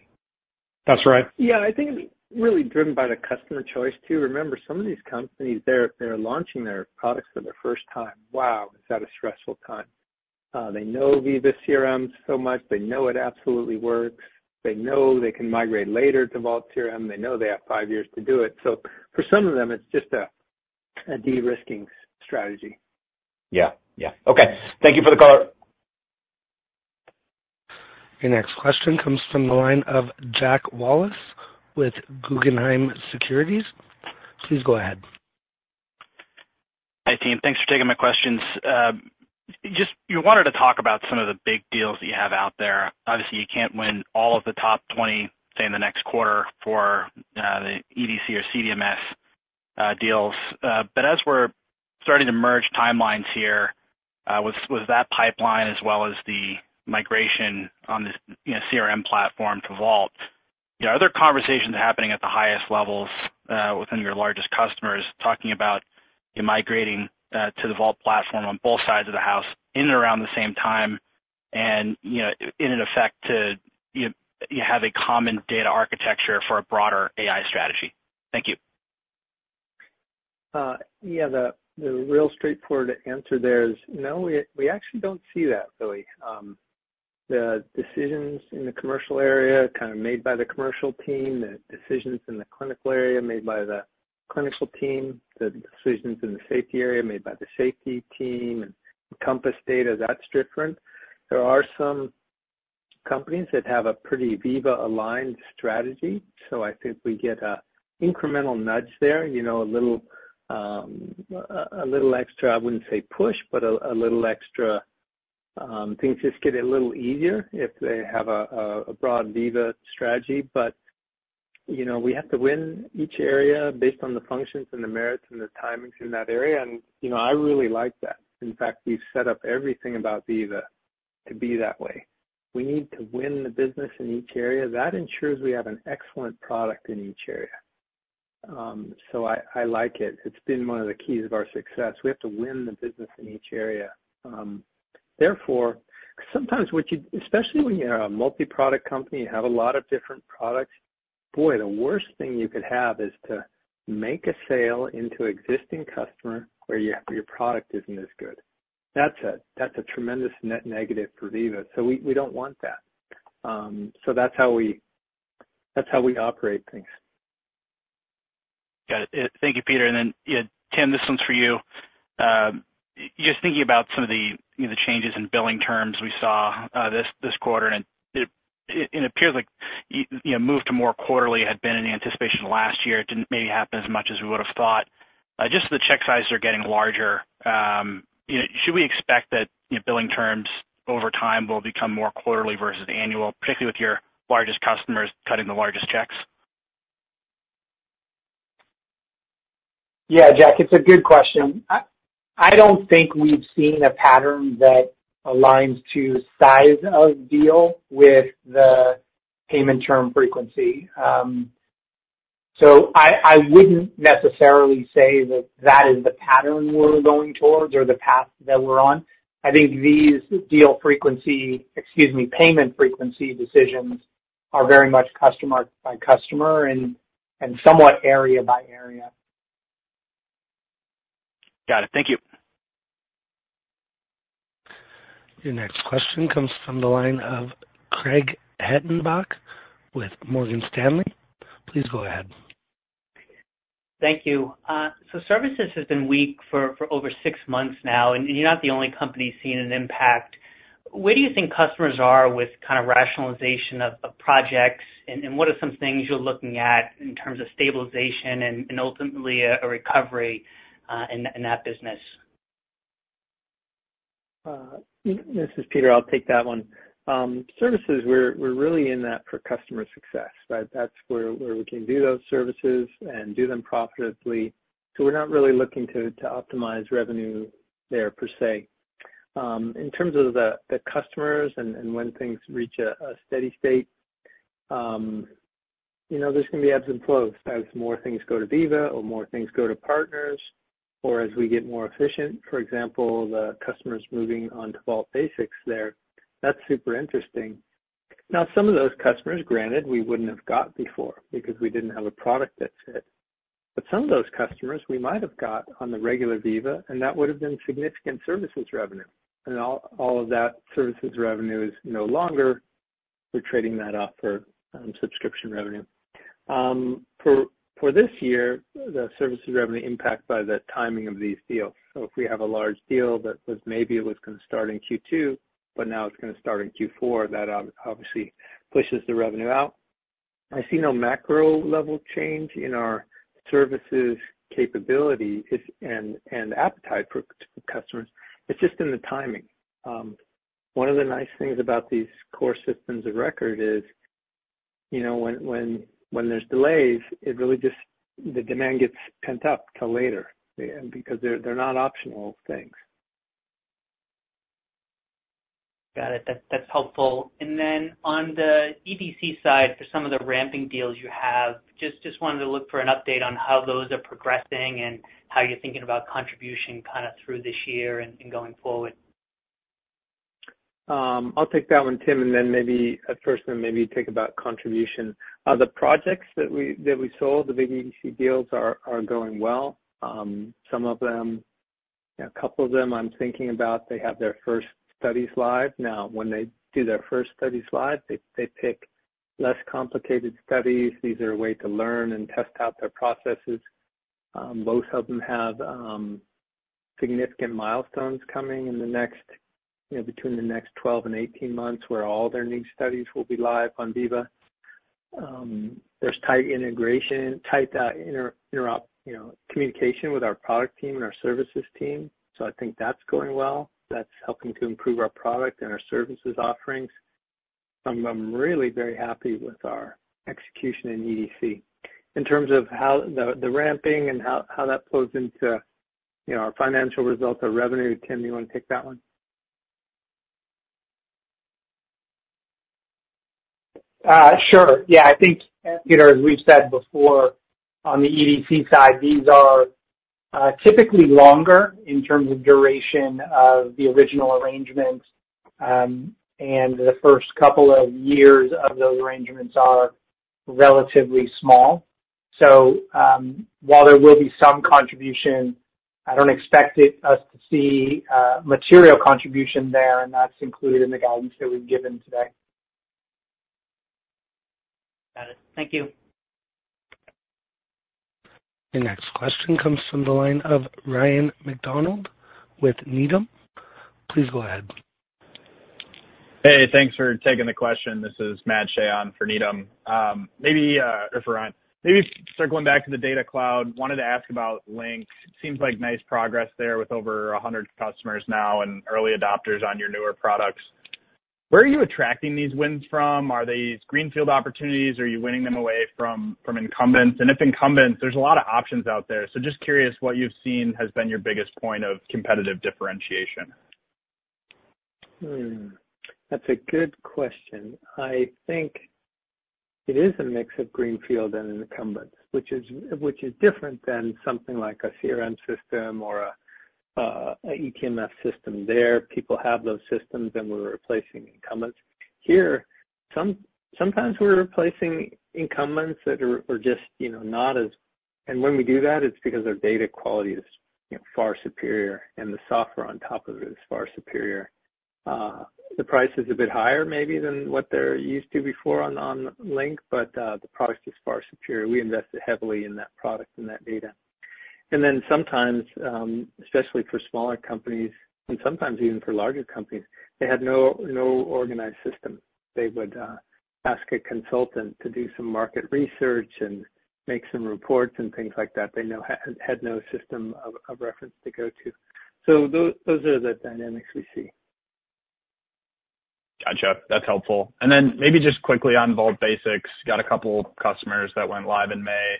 That's right. Yeah, I think it's really driven by the customer choice, too. Remember, some of these companies, they're launching their products for the first time. Wow, is that a stressful time! They know Veeva CRM so much. They know it absolutely works. They know they can migrate later to Vault CRM. They know they have five years to do it. So for some of them, it's just a de-risking strategy. Yeah. Yeah. Okay. Thank you for the call. Your next question comes from the line of Jack Wallace with Guggenheim Securities. Please go ahead. Hi, team. Thanks for taking my questions. Just you wanted to talk about some of the big deals that you have out there. Obviously, you can't win all of the top 20, say, in the next quarter for the EDC or CDMS deals. But as we're starting to merge timelines here with that pipeline as well as the migration on this, you know, CRM platform to Vault, are there conversations happening at the highest levels within your largest customers, talking about you migrating to the Vault platform on both sides of the house in and around the same time, and you know, in effect to you have a common data architecture for a broader AI strategy? Thank you. Yeah, the real straightforward answer there is no, we actually don't see that, really. The decisions in the commercial area are kind of made by the commercial team, the decisions in the clinical area are made by the clinical team, the decisions in the safety area are made by the safety team, and Compass data, that's different. There are some companies that have a pretty Veeva-aligned strategy, so I think we get a incremental nudge there, you know, a little, a little extra, I wouldn't say push, but a little extra. Things just get a little easier if they have a broad Veeva strategy. But, you know, we have to win each area based on the functions and the merits and the timings in that area, and, you know, I really like that. In fact, we've set up everything about Veeva to be that way. We need to win the business in each area. That ensures we have an excellent product in each area. So I like it. It's been one of the keys of our success. We have to win the business in each area. Therefore, sometimes what you, especially when you're a multi-product company, you have a lot of different products, boy, the worst thing you could have is to make a sale into existing customer where your product isn't as good. That's a tremendous net negative for Veeva, so we don't want that. So that's how we operate things. Got it. Thank you, Peter. And then, yeah, Tim, this one's for you. Just thinking about some of the, you know, the changes in billing terms we saw, this quarter, and it appears like, you know, move to more quarterly had been in anticipation last year. It didn't maybe happen as much as we would have thought. Just the check sizes are getting larger. You know, should we expect that, you know, billing terms over time will become more quarterly versus annual, particularly with your largest customers cutting the largest checks? Yeah, Jack, it's a good question. I don't think we've seen a pattern that aligns to size of deal with the payment term frequency. So, I wouldn't necessarily say that that is the pattern we're going towards or the path that we're on. I think these deal frequency, excuse me, payment frequency decisions are very much customer by customer and somewhat area by area. Got it. Thank you. Your next question comes from the line of Craig Hettenbach with Morgan Stanley. Please go ahead. Thank you. So services has been weak for over six months now, and you're not the only company seeing an impact. Where do you think customers are with kind of rationalization of projects, and what are some things you're looking at in terms of stabilization and ultimately a recovery in that business? This is Peter. I'll take that one. Services, we're really in that for customer success, right? That's where we can do those services and do them profitably. So we're not really looking to optimize revenue there, per se. In terms of the customers, and when things reach a steady state, you know, there's gonna be ebbs and flows. As more things go to Veeva or more things go to partners or as we get more efficient, for example, the customers moving onto Vault Basics there, that's super interesting. Now, some of those customers, granted, we wouldn't have got before because we didn't have a product that fit. But some of those customers we might have got on the regular Veeva, and that would have been significant services revenue. And all of that services revenue is no longer. We're trading that up for subscription revenue. For this year, the services revenue impact by the timing of these deals. So if we have a large deal that was maybe it was gonna start in Q2, but now it's gonna start in Q4, that obviously pushes the revenue out. I see no macro-level change in our services capability and appetite for customers. It's just in the timing. One of the nice things about these core systems of record is, you know, when there's delays, it really just the demand gets pent up till later because they're not optional things. Got it. That's helpful. And then on the EDC side, for some of the ramping deals you have, just, just wanted to look for an update on how those are progressing and how you're thinking about contribution kind of through this year and, and going forward. I'll take that one, Tim, and then maybe first, and maybe you talk about contribution. The projects that we sold, the big EDC deals are going well. Some of them, a couple of them I'm thinking about, they have their first studies live. Now, when they do their first studies live, they pick less complicated studies. These are a way to learn and test out their processes. Both of them have significant milestones coming in the next, you know, between the next 12 and 18 months, where all their new studies will be live on Veeva. There's tight integration, tight interop, communication with our product team and our services team, so I think that's going well. That's helping to improve our product and our services offerings. I'm really very happy with our execution in EDC. In terms of how the ramping and how that flows into, you know, our financial results, our revenue. Tim, you wanna take that one? Sure. Yeah, I think, Peter, as we've said before, on the EDC side, these are typically longer in terms of duration of the original arrangements, and the first couple of years of those arrangements are relatively small. So, while there will be some contribution, I don't expect us to see material contribution there, and that's included in the guidance that we've given today. Got it. Thank you. Your next question comes from the line of Matthew Shea with Needham. Please go ahead. Hey, thanks for taking the question. This is Matthew Shea on for Needham. Maybe over to Ryan, maybe circling back to the Data Cloud, wanted to ask about Link. Seems like nice progress there with over 100 customers now and early adopters on your newer products. Where are you attracting these wins from? Are these greenfield opportunities, or are you winning them away from incumbents? And if incumbents, there's a lot of options out there, so just curious what you've seen has been your biggest point of competitive differentiation. Hmm. That's a good question. I think it is a mix of greenfield and incumbents, which is different than something like a CRM system or an eTMF system. There, people have those systems, and we're replacing incumbents. Here, sometimes we're replacing incumbents that are just, you know, not as--and when we do that, it's because their data quality is, you know, far superior, and the software on top of it is far superior. The price is a bit higher maybe than what they're used to before on Link, but the product is far superior. We invested heavily in that product and that data. And then sometimes, especially for smaller companies, and sometimes even for larger companies, they had no organized system. They would ask a consultant to do some market research and make some reports and things like that. They know had no system of reference to go to. So those are the dynamics we see. Got you. That's helpful. And then maybe just quickly on Vault Basics, got a couple customers that went live in May.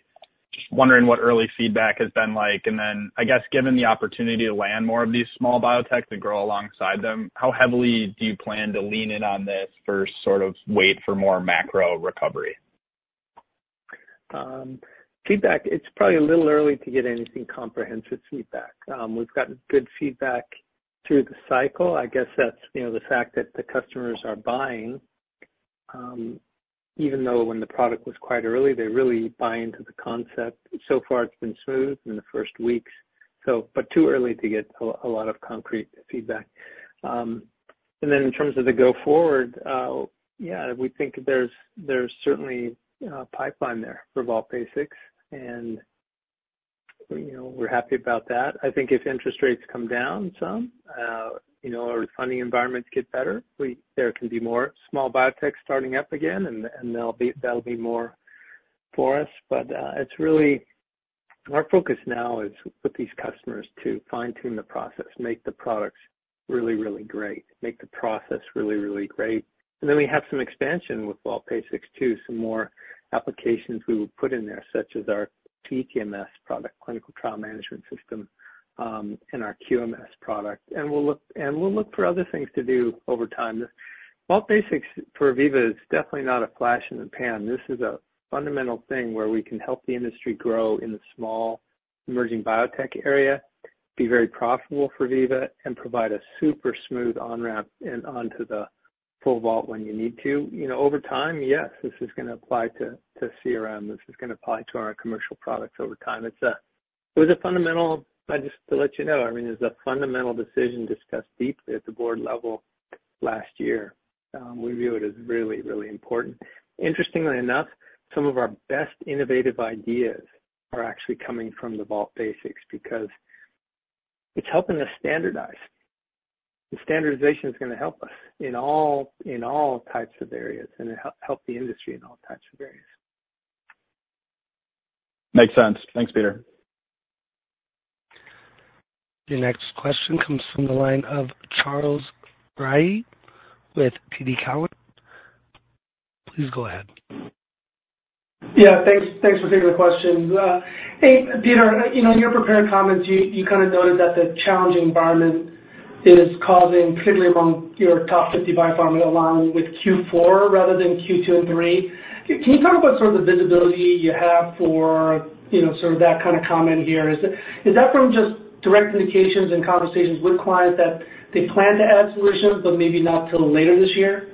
Just wondering what early feedback has been like. And then, I guess, given the opportunity to land more of these small biotech to grow alongside them, how heavily do you plan to lean in on this versus sort of wait for more macro recovery? Feedback, it's probably a little early to get anything comprehensive feedback. We've gotten good feedback through the cycle. I guess that's, you know, the fact that the customers are buying, even though when the product was quite early, they really buy into the concept. So far, it's been smooth in the first weeks, so but too early to get a lot of concrete feedback. And then in terms of the go forward, yeah, we think there's certainly a pipeline there for Vault Basics, and we're happy about that. I think if interest rates come down some, you know, our funding environments get better, we there can be more small biotech starting up again, and that'll be more for us. But it's really our focus now is with these customers to fine-tune the process, make the products really, really great, make the process really, really great. And then we have some expansion with Vault Basics, too. Some more applications we will put in there, such as our CTMS product, clinical trial management system, and our QMS product. And we'll look, and we'll look for other things to do over time. Vault Basics for Veeva is definitely not a flash in the pan. This is a fundamental thing where we can help the industry grow in the small, emerging biotech area be very profitable for Veeva and provide a super smooth on-ramp and onto the full Vault when you need to. You know, over time, yes, this is going to apply to CRM. This is going to apply to our commercial products over time. It was a fundamental, just to let you know, I mean, it was a fundamental decision discussed deeply at the board level last year. We view it as really, really important. Interestingly enough, some of our best innovative ideas are actually coming from the Vault Basics because it's helping us standardize. The standardization is gonna help us in all types of areas, and it helps the industry in all types of areas. Makes sense. Thanks, Peter. Your next question comes from the line of Charles Rhyee with TD Cowen. Please go ahead. Yeah, thanks. Thanks for taking the question. Hey, Peter, you know, in your prepared comments, you kind of noted that the challenging environment is causing, particularly among your top 50 biopharma, along with Q4 rather than Q2 and Q3. Can you talk about sort of the visibility you have for, you know, sort of that kind of comment here? Is that from just direct indications and conversations with clients that they plan to add solutions, but maybe not till later this year?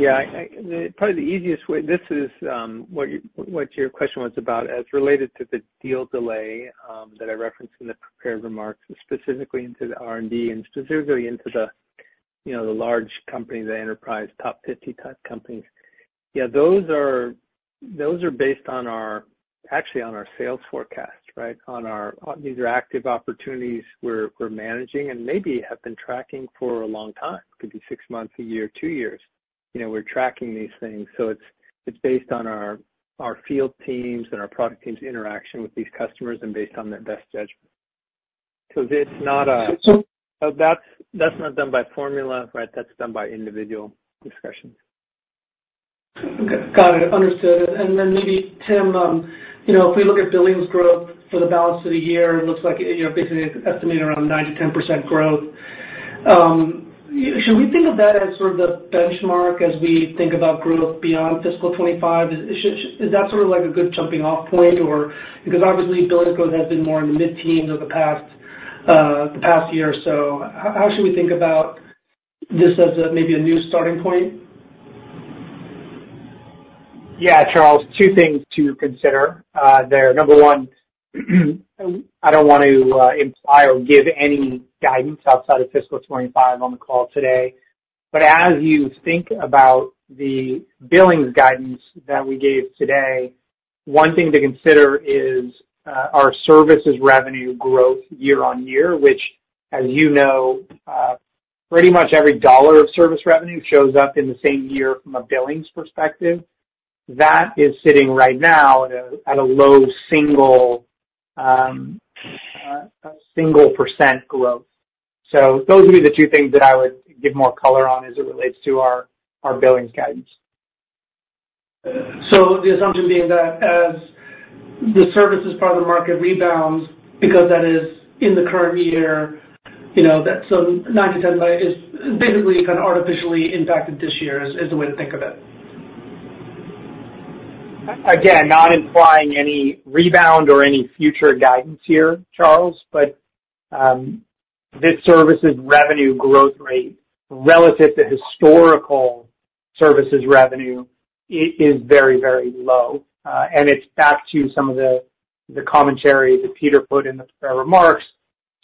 Yeah, I probably the easiest way, this is what your question was about as related to the deal delay that I referenced in the prepared remarks, and specifically into the R&D and specifically into the large companies, the enterprise top 50-type companies. Yeah, those are, those are based on our—actually, on our sales forecast, right? On our—These are active opportunities we're managing and maybe have been tracking for a long time, could be six months, a year, two years. You know, we're tracking these things, so it's, it's based on our field teams and our product teams interaction with these customers and based on their best judgment. So it's not a that's not done by formula, right? That's done by individual discussions. Okay. Got it. Understood. And then maybe, Tim, you know, if we look at billings growth for the balance of the year, it looks like, you know, basically estimating around 9%-10% growth. Should we think of that as sort of the benchmark as we think about growth beyond fiscal 2025? Is that sort of like a good jumping-off point, or? Because obviously, billings growth has been more in the mid-teens over the past, the past year or so. How should we think about this as, maybe a new starting point? Yeah, Charles, two things to consider there. Number one, I don't want to imply or give any guidance outside of fiscal 2025 on the call today. But as you think about the billings guidance that we gave today, one thing to consider is our services revenue growth year-over-year, which, as you know, pretty much every dollar of service revenue shows up in the same year from a billings perspective. That is sitting right now at a low single percentage growth. So those would be the two things that I would give more color on as it relates to our billings guidance. So the assumption being that as the services part of the market rebounds, because that is in the current year, you know, that so 9-10 is basically kind of artificially impacted this year, is the way to think of it? Again, not implying any rebound or any future guidance here, Charles, but, this services revenue growth rate, relative to historical services revenue, is very, very low. And it's back to some of the commentary that Peter put in the prepared remarks,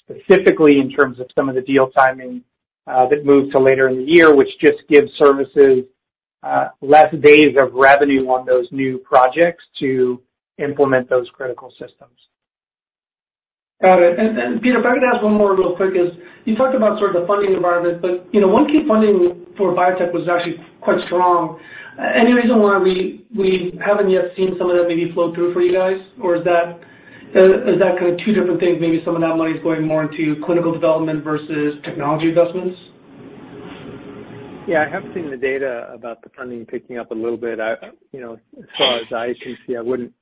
specifically in terms of some of the deal timing, that moved to later in the year, which just gives services, less days of revenue on those new projects to implement those critical systems. Got it. And Peter, if I could ask one more real quick: you talked about sort of the funding environment, but, you know, 1Q funding for biotech was actually quite strong. Any reason why we haven't yet seen some of that maybe flow through for you guys? Or is that kind of two different things, maybe some of that money is going more into clinical development versus technology investments? Yeah, I have seen the data about the funding picking up a little bit. You know, as far as I can see, I wouldn't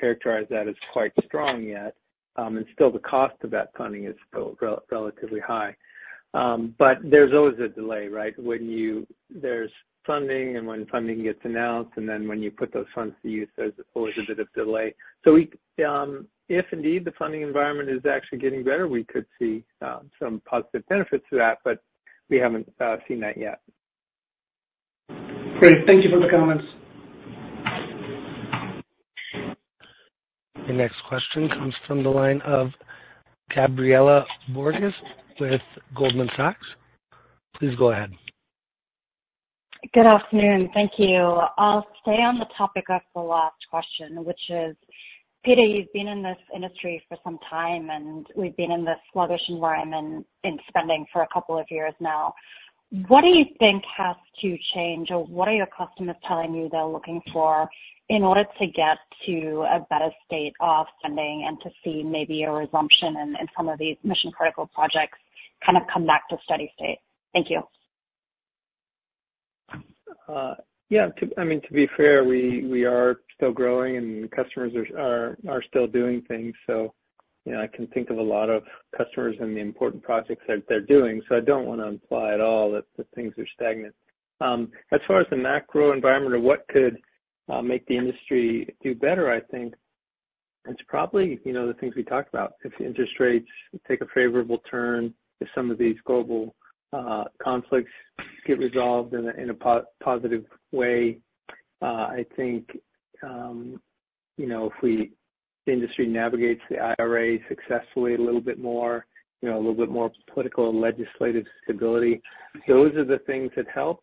characterize that as quite strong yet. And still the cost of that funding is still relatively high. But there's always a delay, right? When there's funding and when funding gets announced, and then when you put those funds to use, there's always a bit of delay. So we, if indeed the funding environment is actually getting better, we could see some positive benefits to that, but we haven't seen that yet. Great. Thank you for the comments. The next question comes from the line of Gabriela Borges with Goldman Sachs. Please go ahead. Good afternoon. Thank you. I'll stay on the topic of the last question, which is, Peter, you've been in this industry for some time, and we've been in this sluggish environment in spending for a couple of years now. What do you think has to change, or what are your customers telling you they're looking for in order to get to a better state of spending and to see maybe a resumption in some of these mission-critical projects kind of come back to steady state? Thank you. Yeah, I mean, to be fair, we are still growing and customers are still doing things, so, you know, I can think of a lot of customers and the important projects that they're doing, so I don't want to imply at all that things are stagnant. As far as the macro environment or what could make the industry do better, I think it's probably, you know, the things we talked about. If interest rates take a favorable turn, if some of these global conflicts get resolved in a positive way, I think, you know, if we, the industry navigates the IRA successfully a little bit more, you know, a little bit more political and legislative stability, those are the things that help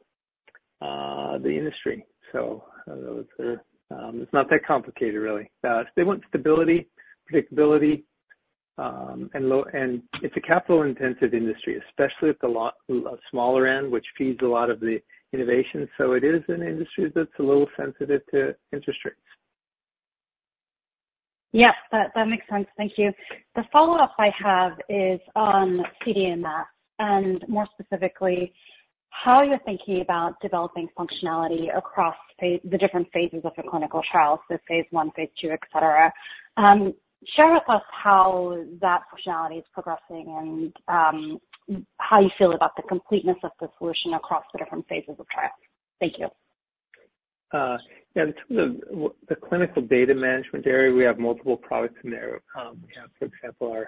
the industry. So those are, it's not that complicated, really. They want stability, predictability, and low. And it's a capital-intensive industry, especially at the smaller end, which feeds a lot of the innovation. So it is an industry that's a little sensitive to interest rates. Yeah, that makes sense. Thank you. The follow-up I have is on CDMS, and more specifically, how you're thinking about developing functionality across the different phases of the clinical trial, so phase I, phase II, et cetera. Share with us how that functionality is progressing and how you feel about the completeness of the solution across the different phases of trials. Thank you. Yeah, in terms of the clinical data management area, we have multiple products in there. We have, for example,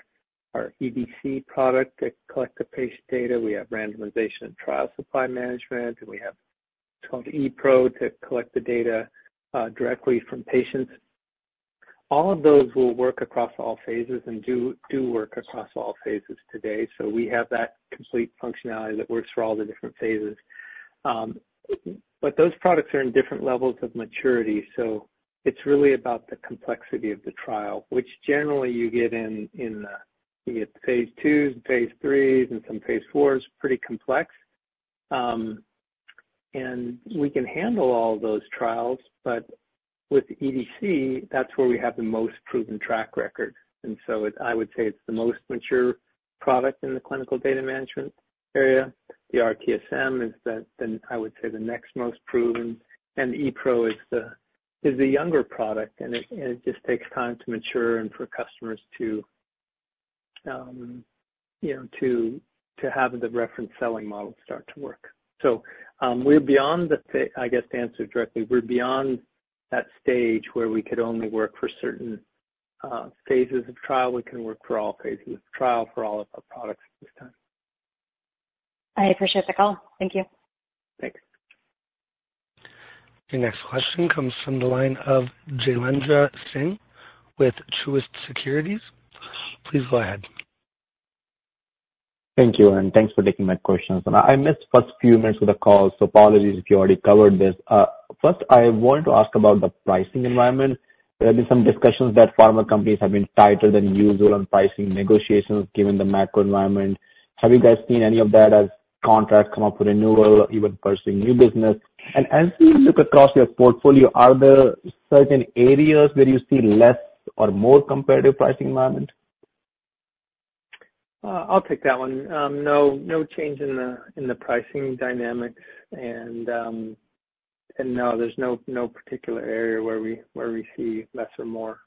our EDC product that collect the patient data. We have randomization and trial supply management, and we have called ePRO to collect the data directly from patients. All of those will work across all phases and do work across all phases today, so we have that complete functionality that works for all the different phases. But those products are in different levels of maturity, so it's really about the complexity of the trial, which generally you get in phase IIs and phase IIIs and some phase IV's, pretty complex. And we can handle all those trials, but with EDC, that's where we have the most proven track record, and so it... I would say it's the most mature product in the clinical data management area. The RTSM is the, then I would say, the next most proven, and the ePRO is the, is the younger product, and it, and it just takes time to mature and for customers to, you know, to, to have the reference selling model start to work. So, we're beyond the--I guess, to answer directly, we're beyond that stage where we could only work for certain phases of trial. We can work for all phases of trial for all of our products at this time. I appreciate the call. Thank you. Thanks. Your next question comes from the line of Jailendra Singh with Truist Securities. Please go ahead. Thank you, and thanks for taking my questions. I missed first few minutes of the call, so apologies if you already covered this. First, I want to ask about the pricing environment. There have been some discussions that pharma companies have been tighter than usual on pricing negotiations, given the macro environment. Have you guys seen any of that as contracts come up for renewal, even pursuing new business? As you look across your portfolio, are there certain areas where you see less or more competitive pricing environment? I'll take that one. No, no change in the, in the pricing dynamics, and no, there's, no particular area where we, where we see less or more.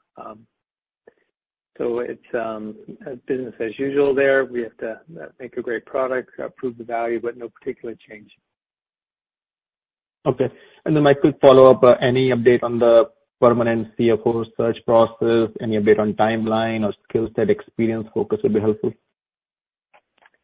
So it's, business as usual there. We have to, make a great product, prove the value, but no particular change. Okay. And then my quick follow-up: Any update on the permanent CFO search process? Any update on timeline or skill set experience focus would be helpful.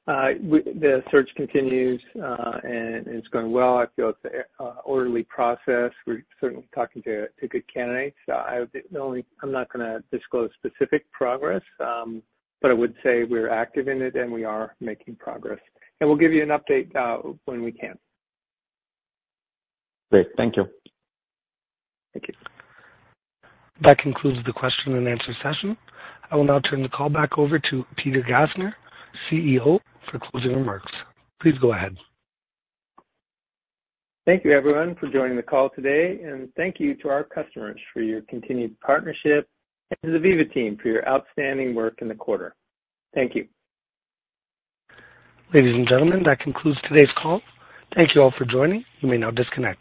The search continues, and it's going well. I feel it's a orderly process. We're certainly talking to good candidates. I'm not gonna disclose specific progress, but I would say we're active in it, and we are making progress. And we'll give you an update when we can. Great. Thank you. Thank you. That concludes the question and answer session. I will now turn the call back over to Peter Gassner, CEO, for closing remarks. Please go ahead. Thank you, everyone, for joining the call today, and thank you to our customers for your continued partnership and to the Veeva team for your outstanding work in the quarter. Thank you. Ladies and gentlemen, that concludes today's call. Thank you all for joining. You may now disconnect.